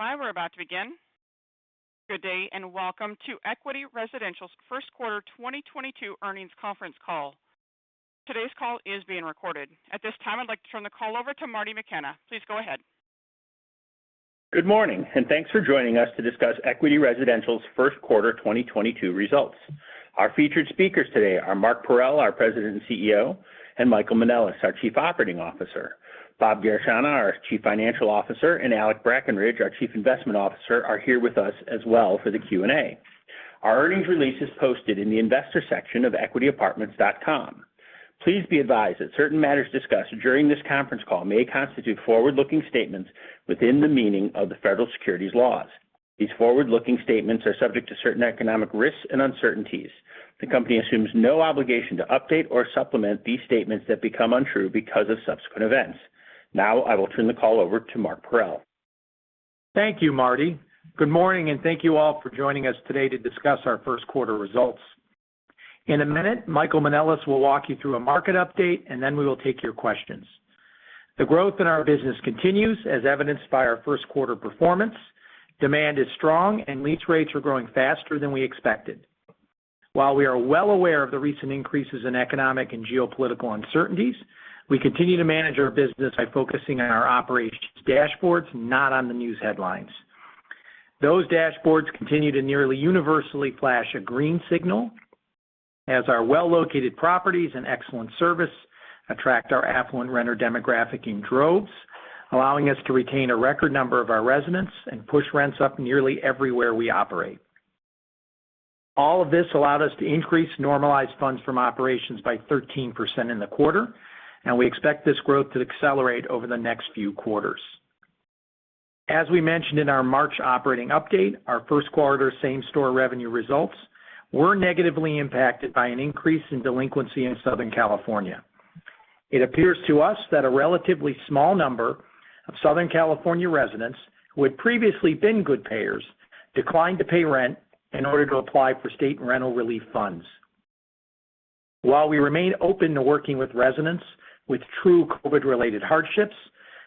Standby, we're about to begin. Good day, and welcome to Equity Residential's Q1 2022 earnings conference call. Today's call is being recorded. At this time, I'd like to turn the call over to Marty McKenna. Please go ahead. Good morning, and thanks for joining us to discuss Equity Residential's Q1 2022 results. Our featured speakers today are Mark Parrell, our President and CEO, and Michael Manelis, our Chief Operating Officer. Bob Garechana, our Chief Financial Officer, and Alec Brackenridge, our Chief Investment Officer, are here with us as well for the Q&A. Our earnings release is posted in the investor section of equityapartments.com. Please be advised that certain matters discussed during this conference call may constitute forward-looking statements within the meaning of the Federal Securities laws. These forward-looking statements are subject to certain economic risks and uncertainties. The company assumes no obligation to update or supplement these statements that become untrue because of subsequent events. Now I will turn the call over to Mark Parrell. Thank you, Marty. Good morning, and thank you all for joining us today to discuss our Q1 results. In a minute, Michael Manelis will walk you through a market update, and then we will take your questions. The growth in our business continues as evidenced by our Q1 performance. Demand is strong and lease rates are growing faster than we expected. While we are well aware of the recent increases in economic and geopolitical uncertainties, we continue to manage our business by focusing on our operations dashboards, not on the news headlines. Those dashboards continue to nearly universally flash a green signal as our well-located properties and excellent service attract our affluent renter demographic in droves, allowing us to retain a record number of our residents and push rents up nearly everywhere we operate. All of this allowed us to increase normalized funds from operations by 13% in the quarter, and we expect this growth to accelerate over the next few quarters. As we mentioned in our March operating update, our Q1 same-store revenue results were negatively impacted by an increase in delinquency in Southern California. It appears to us that a relatively small number of Southern California residents who had previously been good payers declined to pay rent in order to apply for state rental relief funds. While we remain open to working with residents with true COVID-related hardships,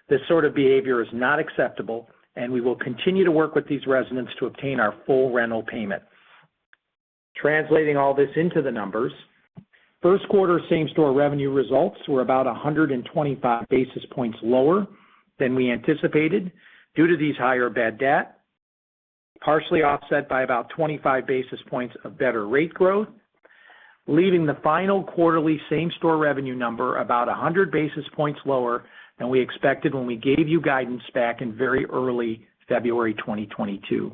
this sort of behavior is not acceptable, and we will continue to work with these residents to obtain our full rental payment. Translating all this into the numbers, Q1 same-store revenue results were about 125 basis points lower than we anticipated due to these higher bad debt, partially offset by about 25 basis points of better rate growth, leaving the final quarterly same-store revenue number about 100 basis points lower than we expected when we gave you guidance back in very early February 2022.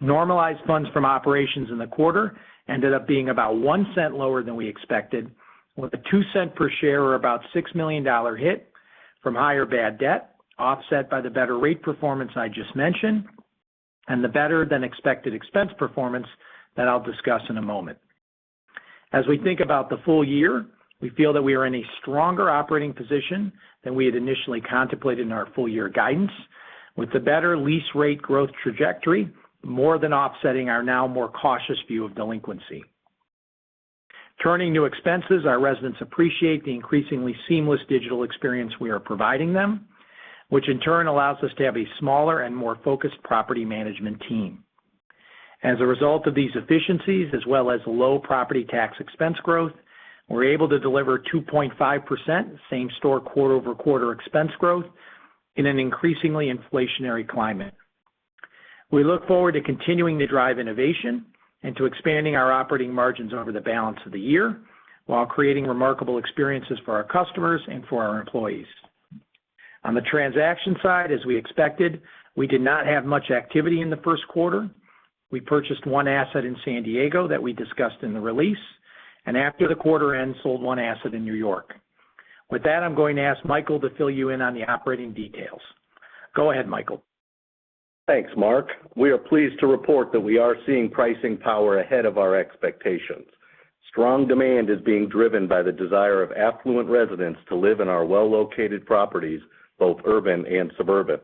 Normalized funds from operations in the quarter ended up being about $0.01 lower than we expected, with a $0.02 per share or about $6 million hit from higher bad debt, offset by the better rate performance I just mentioned and the better than expected expense performance that I'll discuss in a moment. As we think about the full year, we feel that we are in a stronger operating position than we had initially contemplated in our full year guidance, with the better lease rate growth trajectory more than offsetting our now more cautious view of delinquency. Turning to expenses, our residents appreciate the increasingly seamless digital experience we are providing them, which in turn allows us to have a smaller and more focused property management team. As a result of these efficiencies, as well as low property tax expense growth, we're able to deliver 2.5% same-store quarter-over-quarter expense growth in an increasingly inflationary climate. We look forward to continuing to drive innovation and to expanding our operating margins over the balance of the year while creating remarkable experiences for our customers and for our employees. On the transaction side, as we expected, we did not have much activity in the Q1. We purchased one asset in San Diego that we discussed in the release, and after the quarter ended, sold one asset in New York. With that, I'm going to ask Michael to fill you in on the operating details. Go ahead, Michael. Thanks, Mark. We are pleased to report that we are seeing pricing power ahead of our expectations. Strong demand is being driven by the desire of affluent residents to live in our well-located properties, both urban and suburban.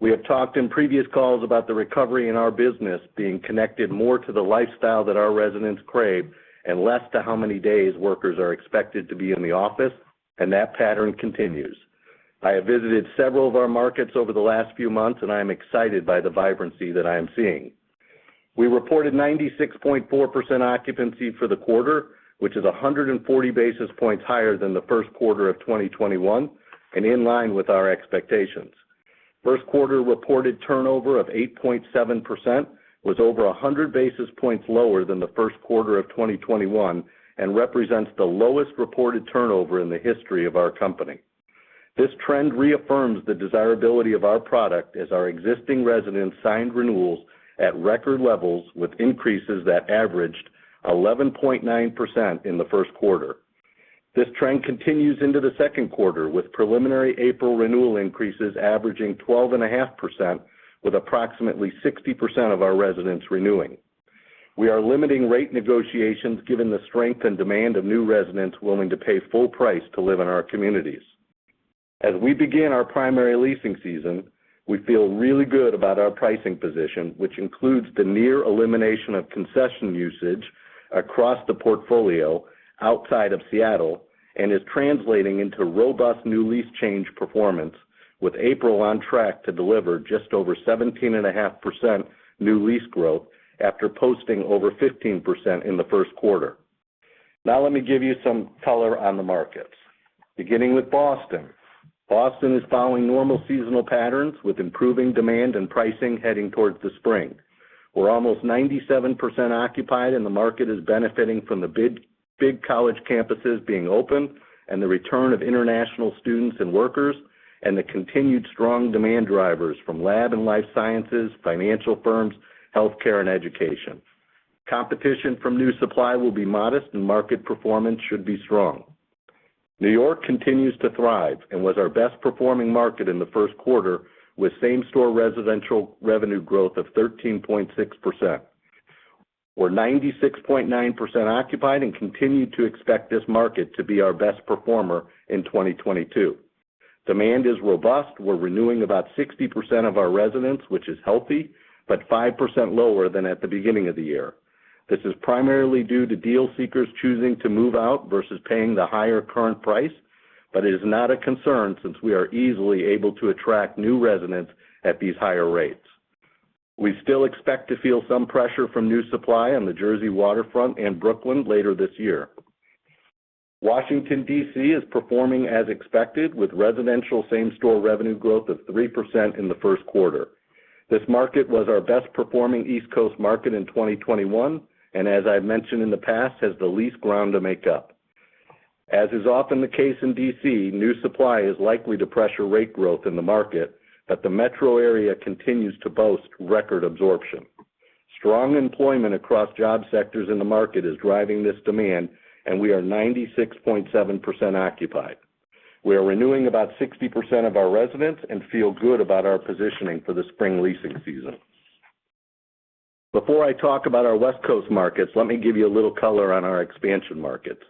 We have talked in previous calls about the recovery in our business being connected more to the lifestyle that our residents crave and less to how many days workers are expected to be in the office, and that pattern continues. I have visited several of our markets over the last few months, and I am excited by the vibrancy that I am seeing. We reported 96.4% occupancy for the quarter, which is 140 basis points higher than the Q1 of 2021 and in line with our expectations. Q1 reported turnover of 8.7% was over 100 basis points lower than the Q1 of 2021 and represents the lowest reported turnover in the history of our company. This trend reaffirms the desirability of our product as our existing residents signed renewals at record levels with increases that averaged 11.9% in Q1. This trend continues into Q2, with preliminary April renewal increases averaging 12.5%, with approximately 60% of our residents renewing. We are limiting rate negotiations given the strength and demand of new residents willing to pay full price to live in our communities. As we begin our primary leasing season, we feel really good about our pricing position, which includes the near elimination of concession usage across the portfolio outside of Seattle and is translating into robust new lease change performance with April on track to deliver just over 17.5% new lease growth after posting over 15% in Q1. Now, let me give you some color on the markets. Beginning with Boston. Boston is following normal seasonal patterns with improving demand and pricing heading towards the spring. We're almost 97% occupied, and the market is benefiting from the big, big college campuses being open and the return of international students and workers, and the continued strong demand drivers from lab and life sciences, financial firms, healthcare, and education. Competition from new supply will be modest and market performance should be strong. New York continues to thrive and was our best performing market in the Q1 with same-store residential revenue growth of 13.6%. We're 96.9% occupied and continue to expect this market to be our best performer in 2022. Demand is robust. We're renewing about 60% of our residents, which is healthy, but 5% lower than at the beginning of the year. This is primarily due to deal seekers choosing to move out versus paying the higher current price, but it is not a concern since we are easily able to attract new residents at these higher rates. We still expect to feel some pressure from new supply on the Jersey waterfront and Brooklyn later this year. Washington, D.C., is performing as expected with residential same-store revenue growth of 3% in the Q1. This market was our best performing East Coast market in 2021, and as I've mentioned in the past, has the least ground to make up. As is often the case in D.C., new supply is likely to pressure rate growth in the market, but the metro area continues to boast record absorption. Strong employment across job sectors in the market is driving this demand, and we are 96.7% occupied. We are renewing about 60% of our residents and feel good about our positioning for the spring leasing season. Before I talk about our West Coast markets, let me give you a little color on our expansion markets.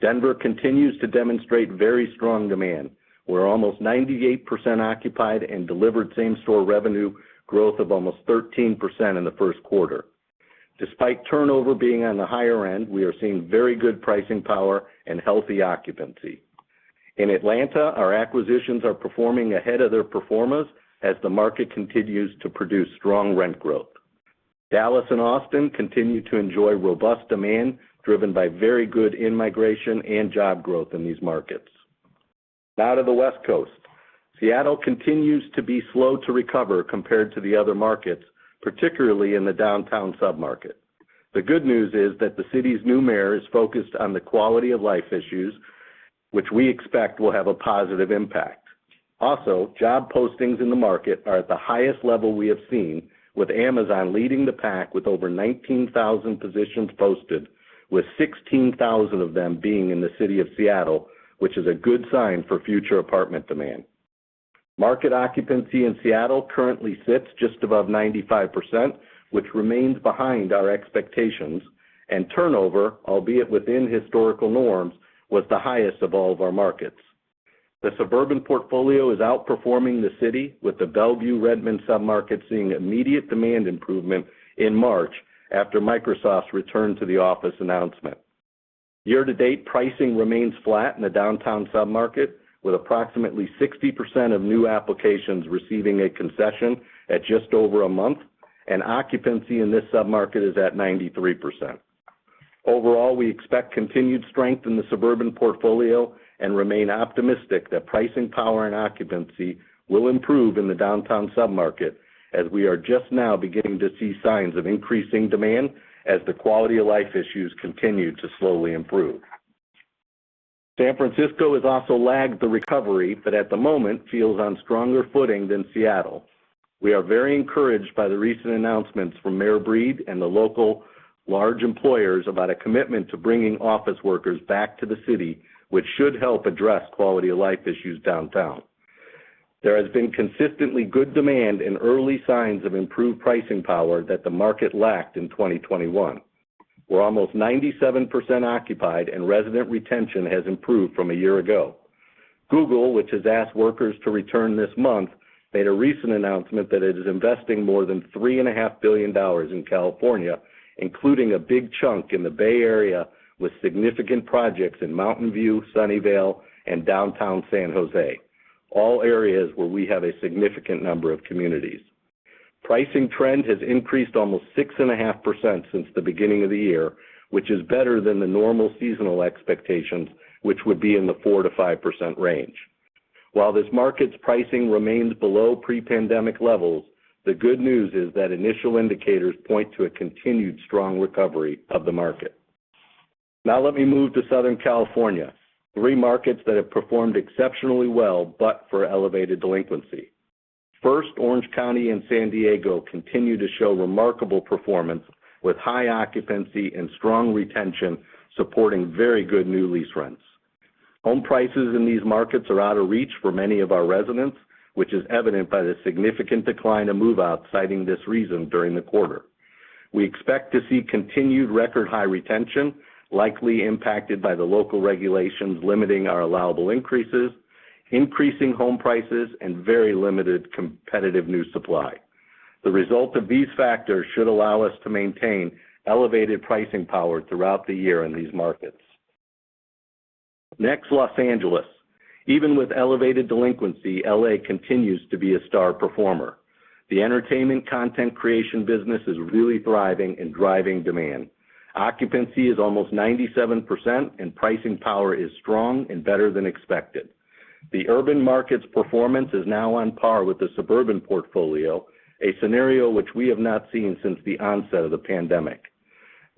Denver continues to demonstrate very strong demand. We're almost 98% occupied and delivered same-store revenue growth of almost 13% in the Q1. Despite turnover being on the higher end, we are seeing very good pricing power and healthy occupancy. In Atlanta, our acquisitions are performing ahead of their performance as the market continues to produce strong rent growth. Dallas and Austin continue to enjoy robust demand driven by very good in-migration and job growth in these markets. Now to the West Coast. Seattle continues to be slow to recover compared to the other markets, particularly in the downtown sub-market. The good news is that the city's new mayor is focused on the quality of life issues, which we expect will have a positive impact. Also, job postings in the market are at the highest level we have seen with Amazon leading the pack with over 19,000 positions posted, with 16,000 of them being in the city of Seattle, which is a good sign for future apartment demand. Market occupancy in Seattle currently sits just above 95%, which remains behind our expectations, and turnover, albeit within historical norms, was the highest of all of our markets. The suburban portfolio is outperforming the city with the Bellevue-Redmond submarket seeing immediate demand improvement in March after Microsoft's return to the office announcement. Year to date, pricing remains flat in the downtown submarket, with approximately 60% of new applications receiving a concession at just over a month, and occupancy in this submarket is at 93%. Overall, we expect continued strength in the suburban portfolio and remain optimistic that pricing power and occupancy will improve in the downtown submarket, as we are just now beginning to see signs of increasing demand as the quality of life issues continue to slowly improve. San Francisco has also lagged in the recovery, but at the moment feels on stronger footing than Seattle. We are very encouraged by the recent announcements from Mayor Breed and the local large employers about a commitment to bringing office workers back to the city, which should help address quality of life issues downtown. There has been consistently good demand and early signs of improved pricing power that the market lacked in 2021. We're almost 97% occupied and resident retention has improved from a year ago. Google, which has asked workers to return this month, made a recent announcement that it is investing more than $3.5 billion in California, including a big chunk in the Bay Area with significant projects in Mountain View, Sunnyvale, and downtown San Jose, all areas where we have a significant number of communities. Pricing trend has increased almost 6.5% since the beginning of the year, which is better than the normal seasonal expectations, which would be in the 4%-5% range. While this market's pricing remains below pre-pandemic levels, the good news is that initial indicators point to a continued strong recovery of the market. Now let me move to Southern California, three markets that have performed exceptionally well, but for elevated delinquency. First, Orange County and San Diego continue to show remarkable performance with high occupancy and strong retention supporting very good new lease rents. Home prices in these markets are out of reach for many of our residents, which is evident by the significant decline of move-out citing this reason during the quarter. We expect to see continued record high retention, likely impacted by the local regulations limiting our allowable increases, increasing home prices, and very limited competitive new supply. The result of these factors should allow us to maintain elevated pricing power throughout the year in these markets. Next, Los Angeles. Even with elevated delinquency, LA continues to be a star performer. The entertainment content creation business is really thriving and driving demand. Occupancy is almost 97% and pricing power is strong and better than expected. The urban market's performance is now on par with the suburban portfolio, a scenario which we have not seen since the onset of the pandemic.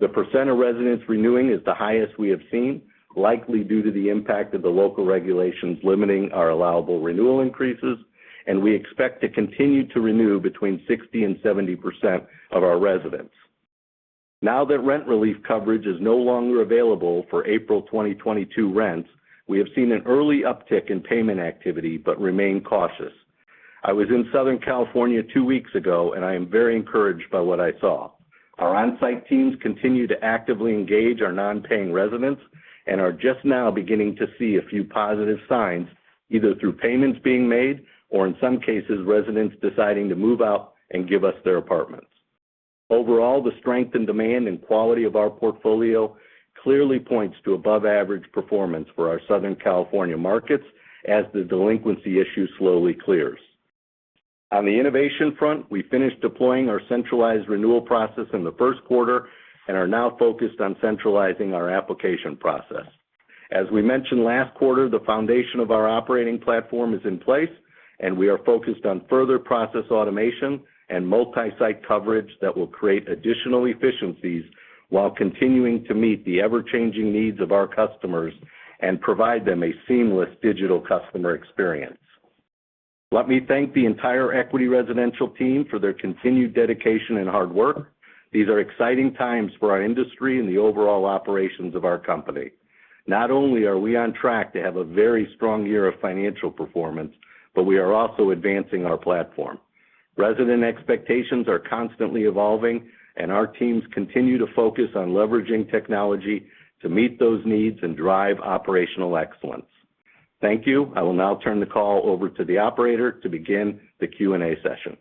The percent of residents renewing is the highest we have seen, likely due to the impact of the local regulations limiting our allowable renewal increases, and we expect to continue to renew between 60% and 70% of our residents. Now that rent relief coverage is no longer available for April 2022 rents, we have seen an early uptick in payment activity, but remain cautious. I was in Southern California 2 weeks ago, and I am very encouraged by what I saw. Our on-site teams continue to actively engage our non-paying residents and are just now beginning to see a few positive signs, either through payments being made or in some cases, residents deciding to move out and give us their apartments. Overall, the strength in demand and quality of our portfolio clearly points to above average performance for our Southern California markets as the delinquency issue slowly clears. On the innovation front, we finished deploying our centralized renewal process in the Q1 and are now focused on centralizing our application process. As we mentioned last quarter, the foundation of our operating platform is in place, and we are focused on further process automation and multi-site coverage that will create additional efficiencies while continuing to meet the ever-changing needs of our customers and provide them a seamless digital customer experience. Let me thank the entire Equity Residential team for their continued dedication and hard work. These are exciting times for our industry and the overall operations of our company. Not only are we on track to have a very strong year of financial performance, but we are also advancing our platform. Resident expectations are constantly evolving, and our teams continue to focus on leveraging technology to meet those needs and drive operational excellence. Thank you. I will now turn the call over to the operator to begin the Q&A session.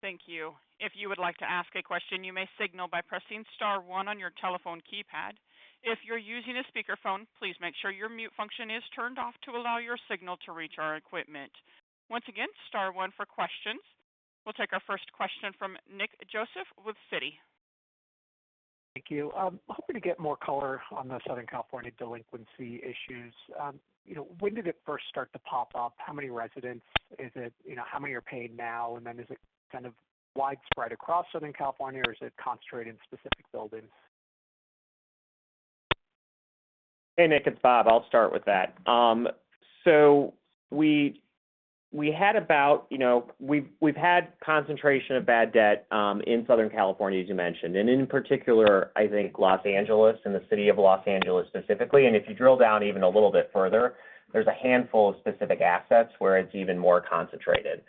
Thank you. If you would like to ask a question, you may signal by pressing star 1 on your telephone keypad. If you're using a speakerphone, please make sure your mute function is turned off to allow your signal to reach our equipment. Once again, star 1 for questions. We'll take our first question from Nick Joseph with Citi. Thank you. Hoping to get more color on the Southern California delinquency issues. When did it first start to pop up? How many residents is it? How many are paying now? Is it kind of widespread across Southern California, or is it concentrated in specific buildings? Hey, Nick, it's Bob. I'll start with that. We had about we've had concentration of bad debt in Southern California, as you mentioned, and in particular, I think Los Angeles and the city of Los Angeles specifically. If you drill down even a little bit further, there's a handful of specific assets where it's even more concentrated.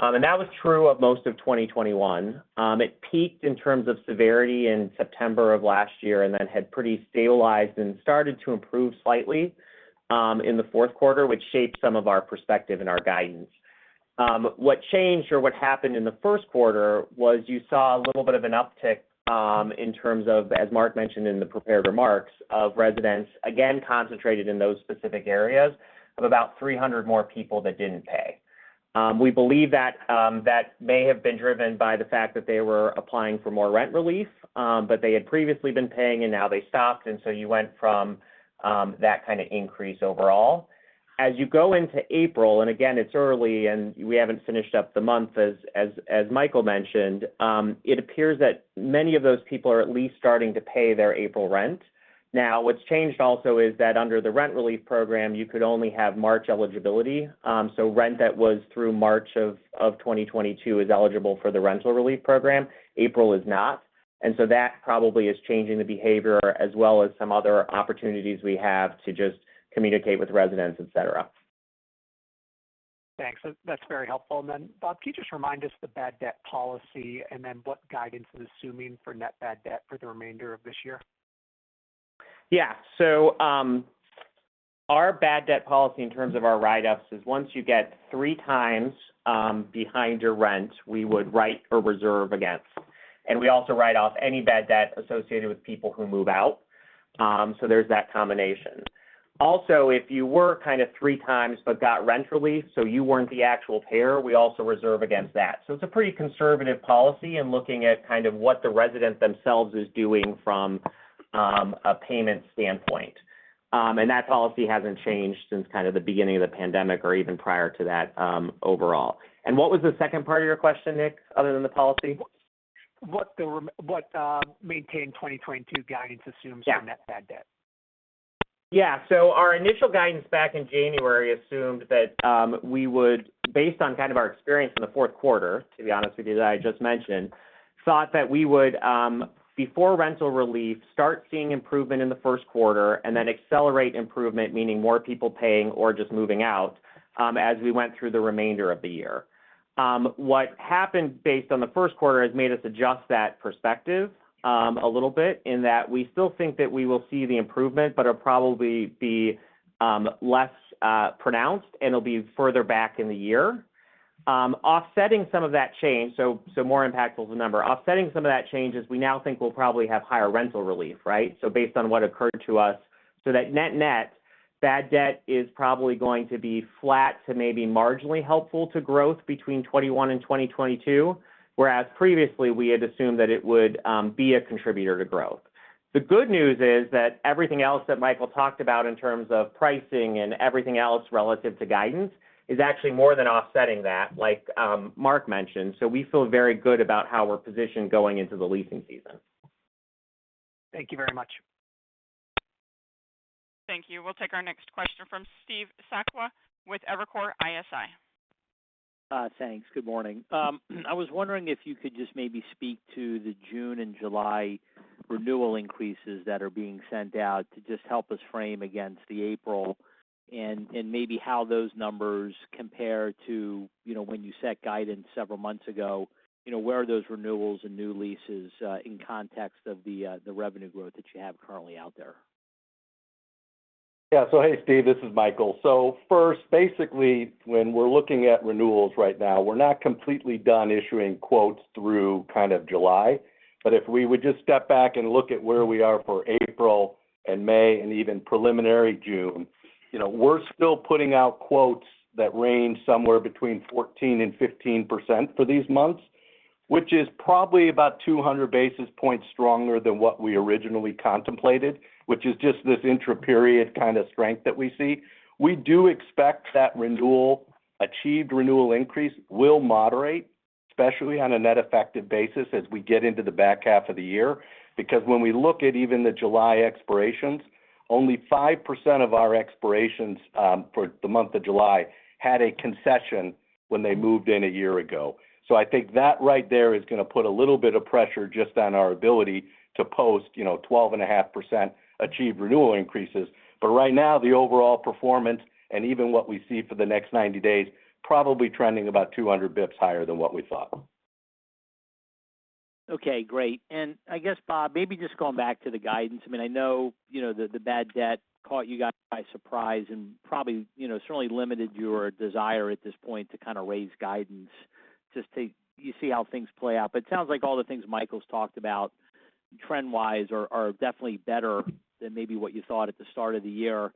That was true of most of 2021. It peaked in terms of severity in September of last year and then had pretty stabilized and started to improve slightly in the fourth quarter, which shaped some of our perspective and our guidance. What changed or what happened in Q1 was you saw a little bit of an uptick in terms of, as Mark mentioned in the prepared remarks, of residents, again concentrated in those specific areas, of about 300 more people that didn't pay. We believe that that may have been driven by the fact that they were applying for more rent relief, but they had previously been paying, and now they stopped, and so you went from that kind of increase overall. As you go into April, and again, it's early and we haven't finished up the month as Michael mentioned, it appears that many of those people are at least starting to pay their April rent. Now, what's changed also is that under the rent relief program, you could only have March eligibility. Rent that was through March of 2022 is eligible for the rental relief program. April is not. That probably is changing the behavior as well as some other opportunities we have to just communicate with residents, et cetera. Thanks. That's very helpful. Bob, can you just remind us the bad debt policy and then what guidance is assuming for net bad debt for the remainder of this year? Our bad debt policy in terms of our write-ups is once you get three times behind your rent, we would write or reserve against. We also write off any bad debt associated with people who move out. There's that combination. Also, if you were kind of three times but got rent relief, so you weren't the actual payer, we also reserve against that. It's a pretty conservative policy and looking at kind of what the resident themselves is doing from a payment standpoint. That policy hasn't changed since kind of the beginning of the pandemic or even prior to that, overall. What was the second part of your question, Nick, other than the policy? What maintained 2022 guidance assumes for net bad debt? Our initial guidance back in January assumed that we would, based on kind of our experience in the Q4, to be honest with you, that I just mentioned, thought that we would, before rental relief, start seeing improvement in the Q1 and then accelerate improvement, meaning more people paying or just moving out, as we went through the remainder of the year. What happened based on the Q1 has made us adjust that perspective, a little bit in that we still think that we will see the improvement, but it'll probably be less pronounced, and it'll be further back in the year. Offsetting some of that change is we now think we'll probably have higher rental relief, right? Based on what occurred to us, that net-net, bad debt is probably going to be flat to maybe marginally helpful to growth between 2021 and 2022. Whereas previously, we had assumed that it would be a contributor to growth. The good news is that everything else that Michael talked about in terms of pricing and everything else relative to guidance is actually more than offsetting that, like Mark mentioned. We feel very good about how we're positioned going into the leasing season. Thank you very much. Thank you. We'll take our next question from Steve Sakwa with Evercore ISI. Thanks. Good morning. I was wondering if you could just maybe speak to the June and July renewal increases that are being sent out to just help us frame against the April and maybe how those numbers compare to, you know, when you set guidance several months ago. Where are those renewals and new leases in context of the revenue growth that you have currently out there? Hey, Steve, this is Michael. First, basically, when we're looking at renewals right now, we're not completely done issuing quotes through kind of July. If we would just step back and look at where we are for April and May and even preliminary June, we're still putting out quotes that range somewhere between 14%-15% for these months, which is probably about 200 basis points stronger than what we originally contemplated, which is just this intra-period kind of strength that we see. We do expect that achieved renewal increase will moderate, especially on a net effective basis as we get into the back half of the year. When we look at even the July expirations, only 5% of our expirations for the month of July had a concession when they moved in a year ago. I think that right there is gonna put a little bit of pressure just on our ability to post, 12.5% achieved renewal increases. Right now, the overall performance and even what we see for the next 90 days, probably trending about 200 basis points higher than what we thought. Okay, great. I guess, Bob, maybe just going back to the guidance. I mean, I know, the bad debt caught you guys by surprise, and probably certainly limited your desire at this point to kind of raise guidance just to see how things play out. It sounds like all the things Michael's talked about trend-wise are definitely better than maybe what you thought at the start of the year.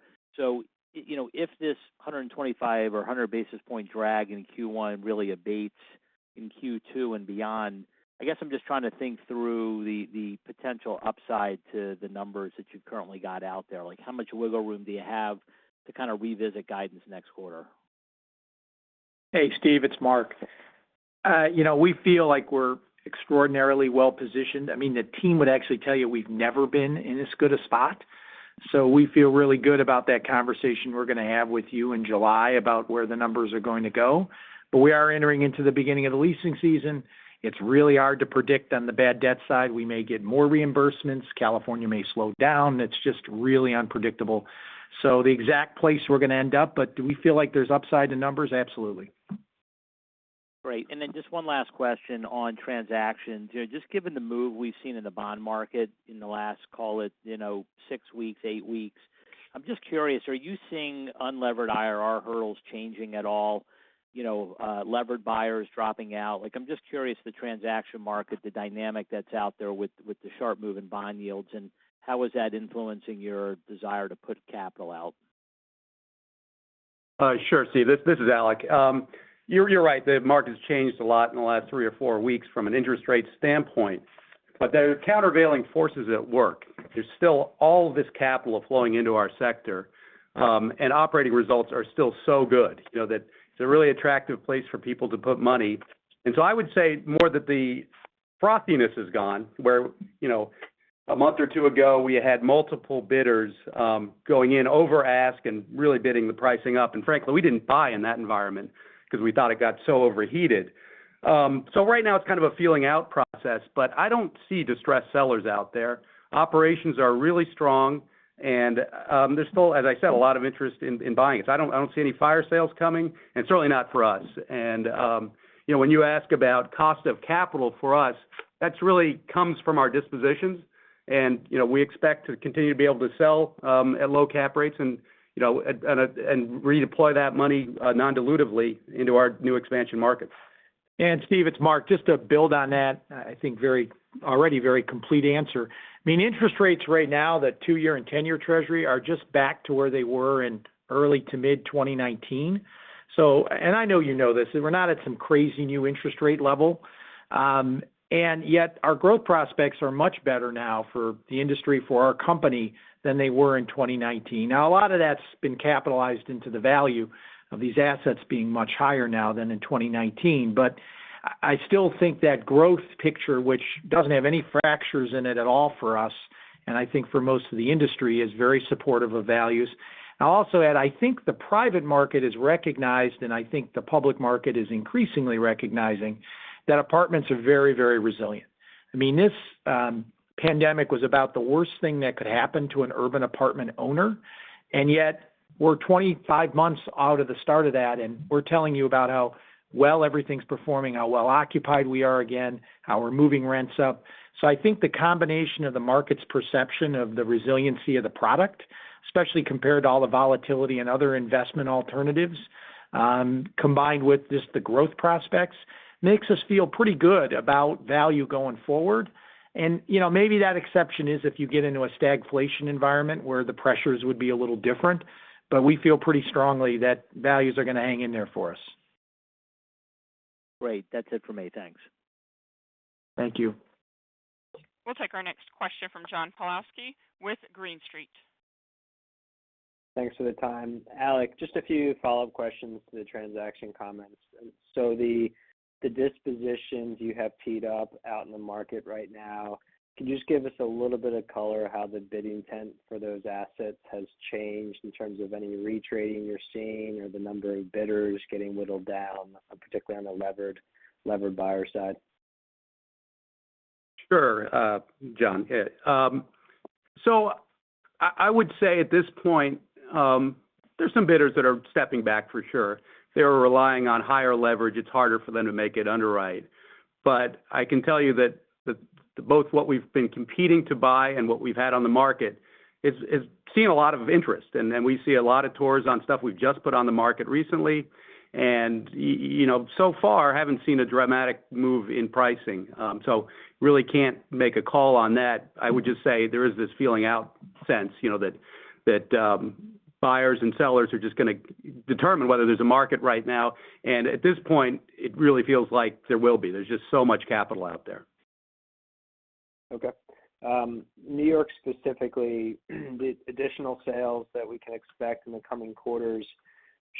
If this 125 or 100 basis point drag in Q1 really abates in Q2, and beyond, I guess I'm just trying to think through the potential upside to the numbers that you've currently got out there. Like, how much wiggle room do you have to kind of revisit guidance next quarter? Hey, Steve, it's Mark. We feel like we're extraordinarily well-positioned. I mean, the team would actually tell you we've never been in as good a spot. We feel really good about that conversation we're gonna have with you in July about where the numbers are going to go. We are entering into the beginning of the leasing season. It's really hard to predict on the bad debt side. We may get more reimbursements. California may slow down. It's just really unpredictable. The exact place we're gonna end up, but do we feel like there's upside to numbers? Absolutely. Great. Just one last question on transactions. Just given the move we've seen in the bond market in the last, call it, 6 weeks, 8 weeks, I'm just curious, are you seeing unlevered IRR hurdles changing at all? Levered buyers dropping out? Like, I'm just curious, the transaction market, the dynamic that's out there with the sharp move in bond yields, and how is that influencing your desire to put capital out? Sure, Steve. This is Alec. You're right. The market has changed a lot in the last 3 or 4 weeks from an interest rate standpoint. There are countervailing forces at work. There's still all this capital flowing into our sector, and operating results are still so good that it's a really attractive place for people to put money. I would say more that the frothiness is gone, where a month or 2 ago, we had multiple bidders going in over ask and really bidding the pricing up. Frankly, we didn't buy in that environment because we thought it got so overheated. Right now it's kind of a feeling out process, but I don't see distressed sellers out there. Operations are really strong, and there's still, as I said, a lot of interest in buying it. I don't see any fire sales coming, and certainly not for us. When you ask about cost of capital for us, that really comes from our dispositions. We expect to continue to be able to sell at low cap rates and redeploy that money non-dilutively into our new expansion markets. Steve, it's Mark. Just to build on that, I think already very complete answer. I mean, interest rates right now, the 2-year and 10-year Treasury are just back to where they were in early to mid-2019. I know you know this. We're not at some crazy new interest rate level, and yet our growth prospects are much better now for the industry, for our company than they were in 2019. Now, a lot of that's been capitalized into the value of these assets being much higher now than in 2019. I still think that growth picture, which doesn't have any fractures in it at all for us, and I think for most of the industry, is very supportive of values. I'll also add, I think the private market has recognized, and I think the public market is increasingly recognizing that apartments are very, very resilient. I mean, this pandemic was about the worst thing that could happen to an urban apartment owner, and yet We're 25 months out of the start of that, and we're telling you about how well everything's performing, how well occupied we are again, how we're moving rents up. I think the combination of the market's perception of the resiliency of the product, especially compared to all the volatility and other investment alternatives, combined with just the growth prospects, makes us feel pretty good about value going forward. Maybe that exception is if you get into a stagflation environment where the pressures would be a little different. We feel pretty strongly that values are going to hang in there for us. Great. That's it for me. Thanks. Thank you. We'll take our next question from John Pawlowski with Green Street. Thanks for the time. Alec, just a few follow-up questions to the transaction comments. The dispositions you have teed up out in the market right now, can you just give us a little bit of color how the bidding intent for those assets has changed in terms of any retrading you're seeing or the number of bidders getting whittled down, particularly on the levered buyer side? Sure. John, so I would say at this point, there's some bidders that are stepping back for sure. They were relying on higher leverage. It's harder for them to make it underwrite. I can tell you that both what we've been competing to buy and what we've had on the market is seeing a lot of interest. We see a lot of tours on stuff we've just put on the market recently. So far, haven't seen a dramatic move in pricing. Really can't make a call on that. I would just say there is this feeling out sense, that buyers and sellers are just gonna determine whether there's a market right now. At this point, it really feels like there will be. There's just so much capital out there. New York, specifically, the additional sales that we can expect in the coming quarters,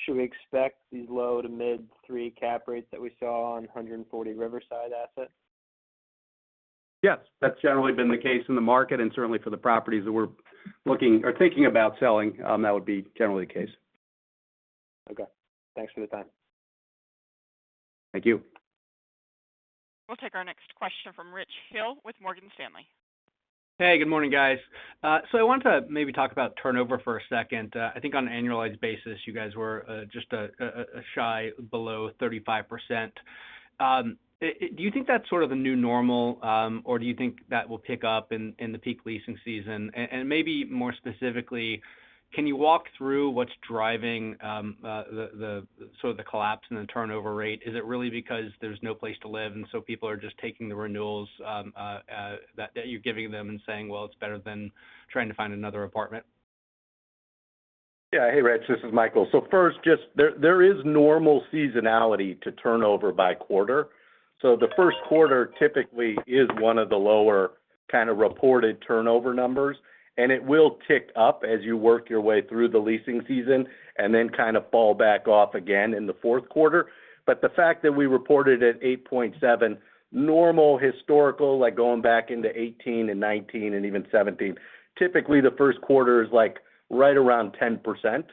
should we expect these low- to mid-3% cap rates that we saw on 140 Riverside assets? Yes. That's generally been the case in the market and certainly for the properties that we're looking or thinking about selling, that would be generally the case. Okay. Thanks for the time. Thank you. We'll take our next question from Rich Hill with Morgan Stanley. Hey, good morning, guys. I want to maybe talk about turnover for a second. I think on an annualized basis, you guys were just a shy below 35%. Do you think that's sort of the new normal, or do you think that will pick up in the peak leasing season? Maybe more specifically, can you walk through what's driving the collapse in the turnover rate? Is it really because there's no place to live, and so people are just taking the renewals that you're giving them and saying, "Well, it's better than trying to find another apartment"? Yeah. Hey, Rich, this is Michael. First, just there is normal seasonality to turnover by quarter. The Q1 typically is one of the lower kind of reported turnover numbers, and it will tick up as you work your way through the leasing season and then kind of fall back off again in the fourth quarter. But the fact that we reported at 8.7 normal historical, like going back into 2018 and 2019 and even 2017, typically the Q1 is like right around 10%.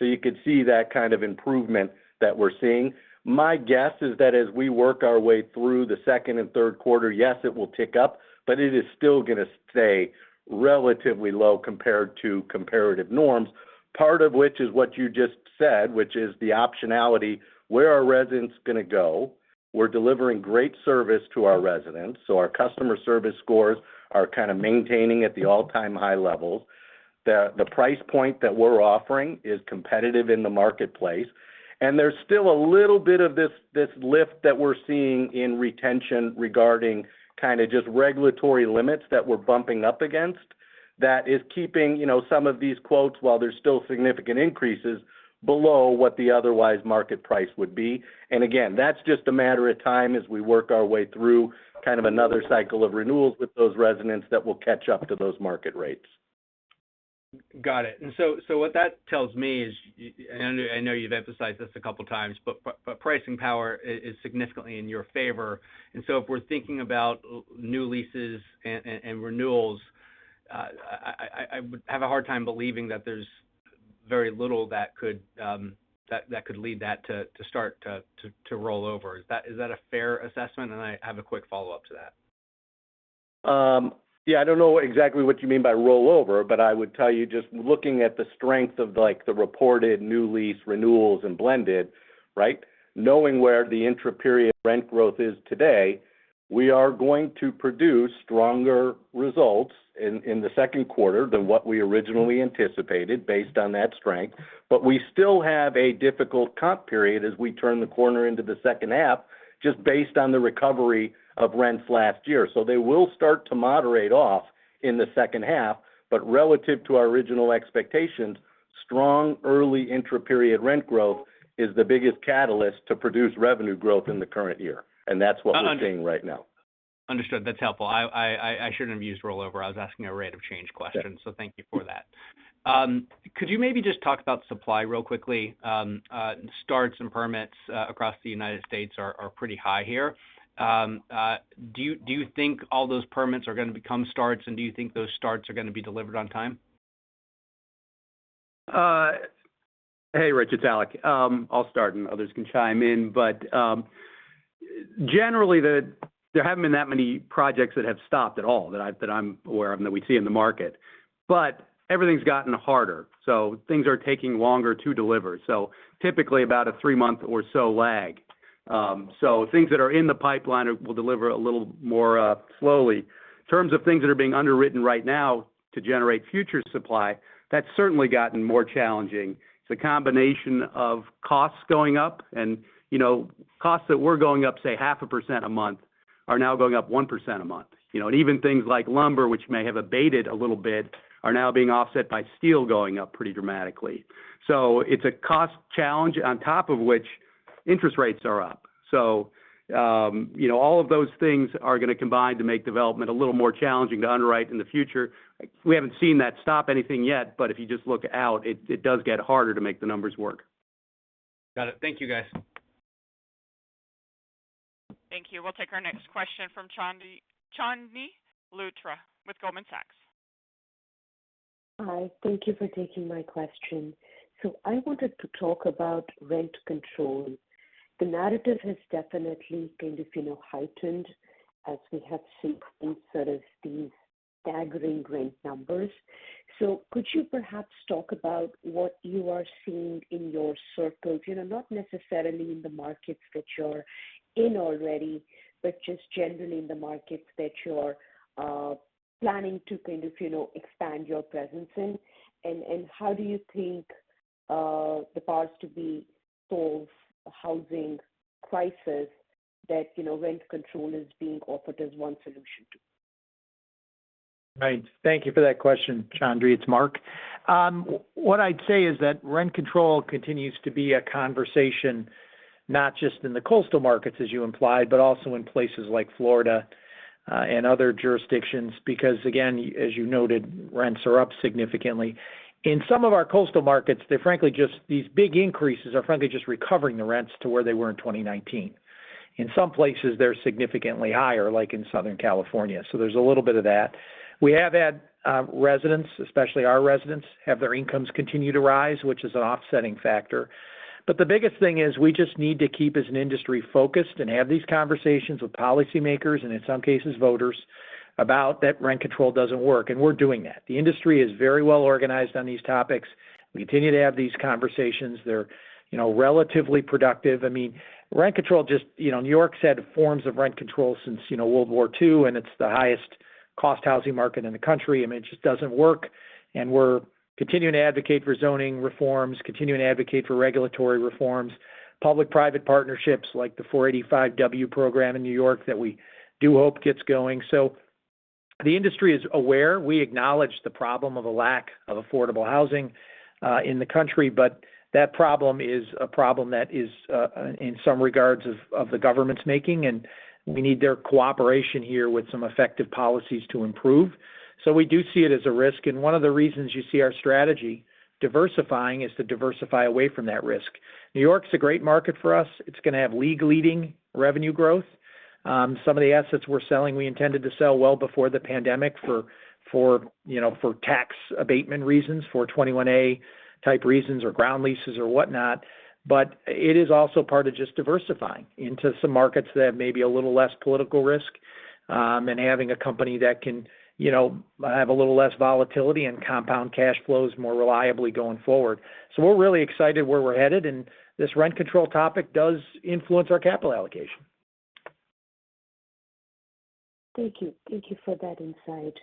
You could see that kind of improvement that we're seeing. My guess is that as we work our way through the second and third quarter, yes, it will tick up, but it is still gonna stay relatively low compared to comparative norms, part of which is what you just said, which is the optionality, where are residents gonna go? We're delivering great service to our residents, so our customer service scores are kind of maintaining at the all-time high levels. The price point that we're offering is competitive in the marketplace. There's still a little bit of this lift that we're seeing in retention regarding kind of just regulatory limits that we're bumping up against that is keeping some of these quotes while there's still significant increases below what the otherwise market price would be. Again, that's just a matter of time as we work our way through kind of another cycle of renewals with those residents that will catch up to those market rates. Got it. What that tells me is, I know you've emphasized this a couple of times, but pricing power is significantly in your favor. If we're thinking about new leases and renewals, I would have a hard time believing that there's very little that could lead that to start to roll over. Is that a fair assessment? I have a quick follow-up to that. I don't know exactly what you mean by roll over, but I would tell you, just looking at the strength of like the reported new lease renewals and blended, right? Knowing where the intraperiod rent growth is today, we are going to produce stronger results in the second quarter than what we originally anticipated based on that strength. We still have a difficult comp period as we turn the corner into the second half, just based on the recovery of rents last year. They will start to moderate off in the second half. Relative to our original expectations, strong early intraperiod rent growth is the biggest catalyst to produce revenue growth in the current year, and that's what we're seeing right now. Understood. That's helpful. I shouldn't have used rollover. I was asking a rate of change question. Thank you for that. Could you maybe just talk about supply real quickly? Starts and permits across the United States are pretty high here. Do you think all those permits are gonna become starts, and do you think those starts are gonna be delivered on time? Hey, Rich, it's Alec. I'll start and others can chime in. Generally, there haven't been that many projects that have stopped at all that I'm aware of and that we see in the market. Everything's gotten harder, so things are taking longer to deliver. Typically about a three-month or so lag. Things that are in the pipeline will deliver a little more slowly. In terms of things that are being underwritten right now to generate future supply, that's certainly gotten more challenging. It's a combination of costs going up and costs that were going up, say, 0.5% a month are now going up 1% a month. Even things like lumber, which may have abated a little bit, are now being offset by steel going up pretty dramatically. It's a cost challenge on top of which interest rates are up. All of those things are gonna combine to make development a little more challenging to underwrite in the future. We haven't seen that stop anything yet, but if you just look out, it does get harder to make the numbers work. Got it. Thank you, guys. Thank you. We'll take our next question from Chandni Luthra with Goldman Sachs. Hi. Thank you for taking my question. I wanted to talk about rent control. The narrative has definitely kind of heightened as we have seen sort of these staggering rent numbers. Could you perhaps talk about what you are seeing in your circles? Not necessarily in the markets that you're in already, but just generally in the markets that you're planning to kind of expand your presence in. How do you think the path to solving the housing crisis that rent control is being offered as one solution to? Right. Thank you for that question, Chandni. It's Mark. What I'd say is that rent control continues to be a conversation, not just in the coastal markets, as you implied, but also in places like Florida and other jurisdictions, because again, as you noted, rents are up significantly. In some of our coastal markets, they're frankly just recovering the rents to where they were in 2019. In some places, they're significantly higher, like in Southern California. There's a little bit of that. We have had residents, especially our residents, have their incomes continue to rise, which is an offsetting factor. The biggest thing is we just need to keep, as an industry, focused and have these conversations with policymakers, and in some cases, voters, about that rent control doesn't work, and we're doing that. The industry is very well organized on these topics. We continue to have these conversations. They're relatively productive. I mean, rent control just New York's had forms of rent control since World War II, and it's the highest cost housing market in the country. I mean, it just doesn't work. We're continuing to advocate for zoning reforms, continuing to advocate for regulatory reforms, public-private partnerships like the 485-w program in New York that we do hope gets going. The industry is aware. We acknowledge the problem of a lack of affordable housing in the country, but that problem is a problem that is in some regards of the government's making, and we need their cooperation here with some effective policies to improve. We do see it as a risk. One of the reasons you see our strategy diversifying is to diversify away from that risk. New York's a great market for us. It's gonna have league-leading revenue growth. Some of the assets we're selling, we intended to sell well before the pandemic for tax abatement reasons, for 421-a type reasons or ground leases or whatnot. It is also part of just diversifying into some markets that may be a little less political risk, and having a company that can have a little less volatility and compound cash flows more reliably going forward. We're really excited where we're headed, and this rent control topic does influence our capital allocation. Thank you. Thank you for that insight.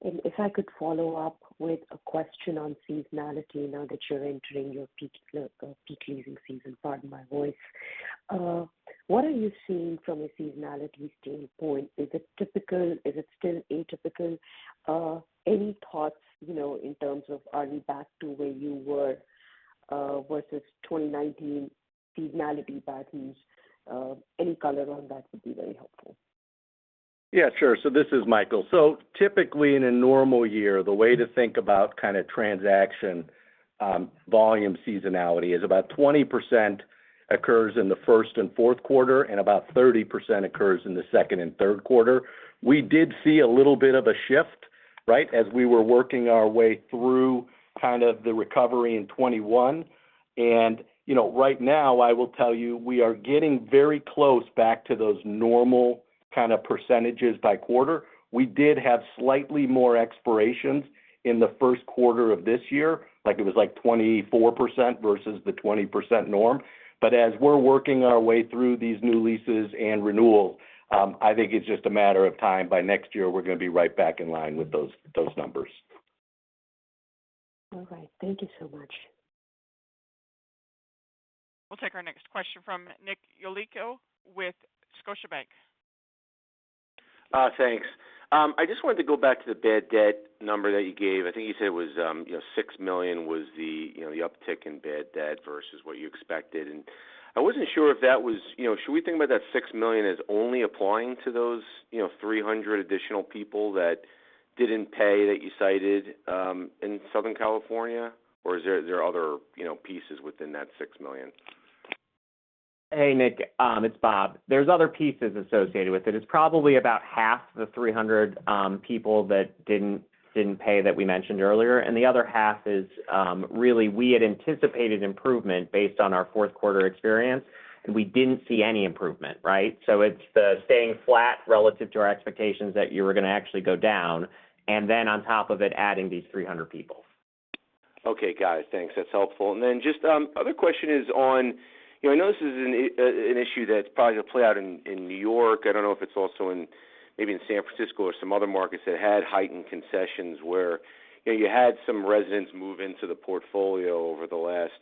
If I could follow up with a question on seasonality now that you're entering your peak leasing season. Pardon my voice. What are you seeing from a seasonality standpoint? Is it typical? Is it still atypical? Any thoughts in terms of are you back to where you were versus 2019 seasonality patterns? Any color on that would be very helpful. Sure. This is Michael. Typically in a normal year, the way to think about kind of transaction volume seasonality is about 20% occurs in the first and fourth quarter, and about 30% occurs in the second and third quarter. We did see a little bit of a shift, right, as we were working our way through kind of the recovery in 2021. Right now I will tell you, we are getting very close back to those normal kind of percentages by quarter. We did have slightly more expirations in the Q1 of this year. Like, it was, like, 24% versus the 20% norm. As we're working our way through these new leases and renewals, I think it's just a matter of time. By next year, we're gonna be right back in line with those numbers. All right. Thank you so much. We'll take our next question from Nick Yulico with Scotiabank. Thanks. I just wanted to go back to the bad debt number that you gave. I think you said it was $6 million was the uptick in bad debt versus what you expected. I wasn't sure if that was. Should we think about that $6 million as only applying to those 300 additional people that didn't pay, that you cited, in Southern California? Or are there other pieces within that $6 million? Hey, Nick, it's Bob. There's other pieces associated with it. It's probably about half the 300 people that didn't pay that we mentioned earlier, and the other half is really we had anticipated improvement based on our fourth quarter experience, and we didn't see any improvement, right? It's the staying flat relative to our expectations that you were gonna actually go down, and then on top of it, adding these 300 people. Okay, guys. Thanks. That's helpful. Just, other question is on. I know this is an issue that's probably gonna play out in New York. I don't know if it's also in maybe San Francisco or some other markets that had heightened concessions where you had some residents move into the portfolio over the last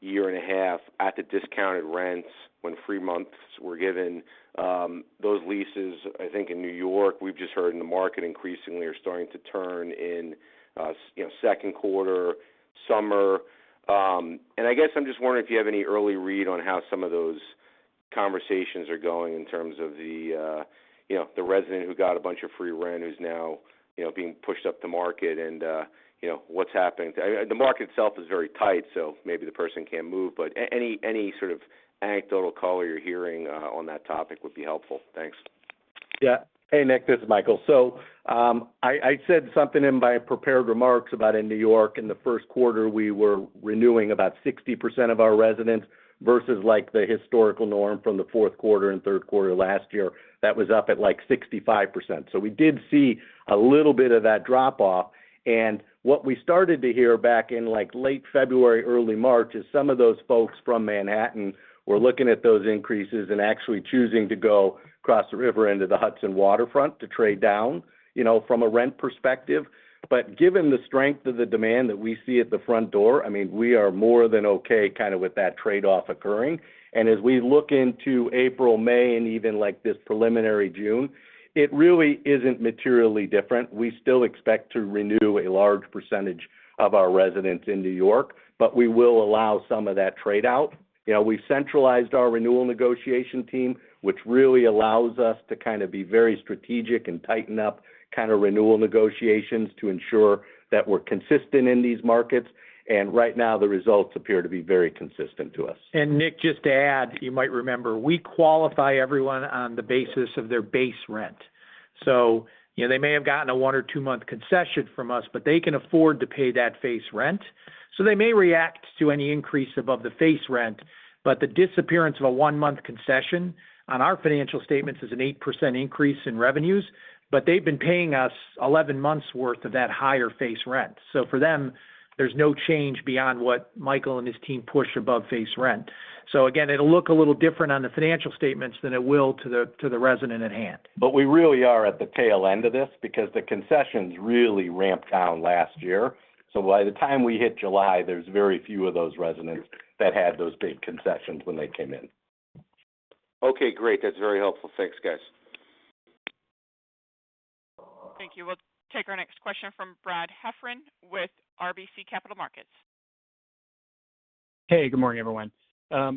year and a half at the discounted rents when free months were given. Those leases, I think in New York, we've just heard in the market increasingly are starting to turn in Q2, summer. I guess I'm just wondering if you have any early read on how some of those conversations are going in terms of the resident who got a bunch of free rent who's now being pushed up the market and what's happening. The market itself is very tight, so maybe the person can't move, but any sort of anecdotal call you're hearing, on that topic would be helpful. Thanks. Hey, Nick, this is Michael. I said something in my prepared remarks about in New York in theQ1, we were renewing about 60% of our residents versus like the historical norm from the Q4 and Q3 last year. That was up at like 65%. We did see a little bit of that drop off. What we started to hear back in, like, late February, early March, is some of those folks from Manhattan were looking at those increases and actually choosing to go across the river into the Hudson Waterfront to trade down, from a rent perspective. Given the strength of the demand that we see at the front door, I mean, we are more than okay kind of with that trade-off occurring. As we look into April, May, and even like this preliminary June, it really isn't materially different. We still expect to renew a large percentage of our residents in New York, but we will allow some of that trade-out. We've centralized our renewal negotiation team, which really allows us to kind of be very strategic and tighten up kind of renewal negotiations to ensure that we're consistent in these markets. Right now, the results appear to be very consistent to us. Nick, just to add, you might remember, we qualify everyone on the basis of their base rent. They may have gotten a 1 or 2-month concession from us, but they can afford to pay that face rent. They may react to any increase above the face rent, but the disappearance of a 1-month concession on our financial statements is an 8% increase in revenues, but they've been paying us 11 months worth of that higher face rent. For them, there's no change beyond what Michael and his team push above face rent. Again, it'll look a little different on the financial statements than it will to the resident at hand. We really are at the tail end of this because the concessions really ramped down last year. By the time we hit July, there's very few of those residents that had those big concessions when they came in. Okay, great. That's very helpful. Thanks, guys. Thank you. We'll take our next question from Brad Heffron with RBC Capital Markets. Hey, good morning, everyone.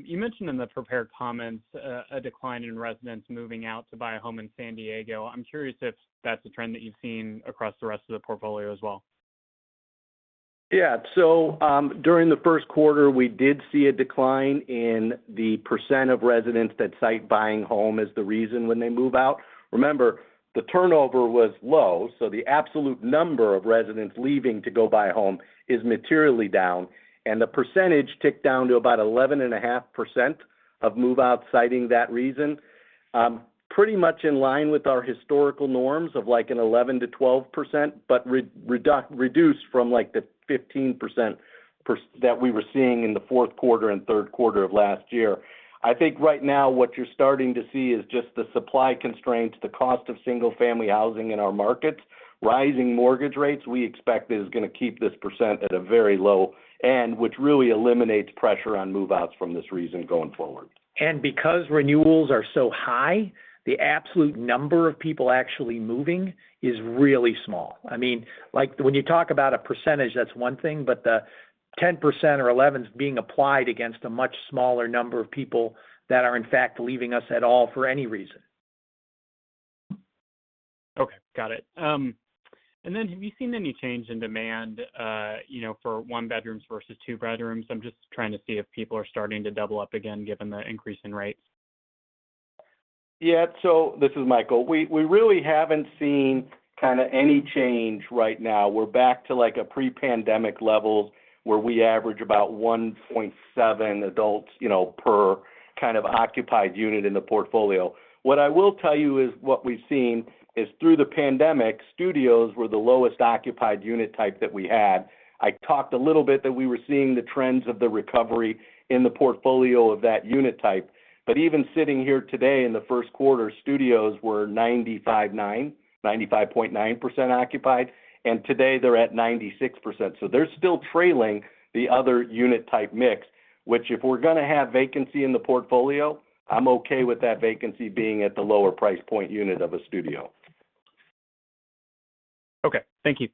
You mentioned in the prepared comments a decline in residents moving out to buy a home in San Diego. I'm curious if that's a trend that you've seen across the rest of the portfolio as well? During the Q1, we did see a decline in the percent of residents that cite buying home as the reason when they move out. Remember, the turnover was low, so the absolute number of residents leaving to go buy a home is materially down, and the percentage ticked down to about 11.5% of move-out citing that reason. Pretty much in line with our historical norms of like an 11%-12%, but reduced from like the 15% that we were seeing in the Q4 and Q3 of last year. I think right now what you're starting to see is just the supply constraints, the cost of single-family housing in our markets, rising mortgage rates, we expect is gonna keep this percent at a very low end, which really eliminates pressure on move-outs for this reason going forward. Because renewals are so high, the absolute number of people actually moving is really small. I mean, like, when you talk about a percentage, that's one thing, but the 10% or 11% being applied against a much smaller number of people that are in fact leaving us at all for any reason. Okay, got it. Have you seen any change in demand for one-bedrooms versus two-bedrooms? I'm just trying to see if people are starting to double up again given the increase in rates. Yeah. This is Michael. We really haven't seen kind of any change right now. We're back to like pre-pandemic levels where we average about 1.7 adults per kind of occupied unit in the portfolio. What I will tell you is what we've seen is through the pandemic, studios were the lowest occupied unit type that we had. I talked a little bit that we were seeing the trends of the recovery in the portfolio of that unit type. Even sitting here today in the Q1, studios were 95.9% occupied, and today they're at 96%. They're still trailing the other unit type mix, which if we're gonna have vacancy in the portfolio, I'm okay with that vacancy being at the lower price point unit of a studio. Okay. Thank you.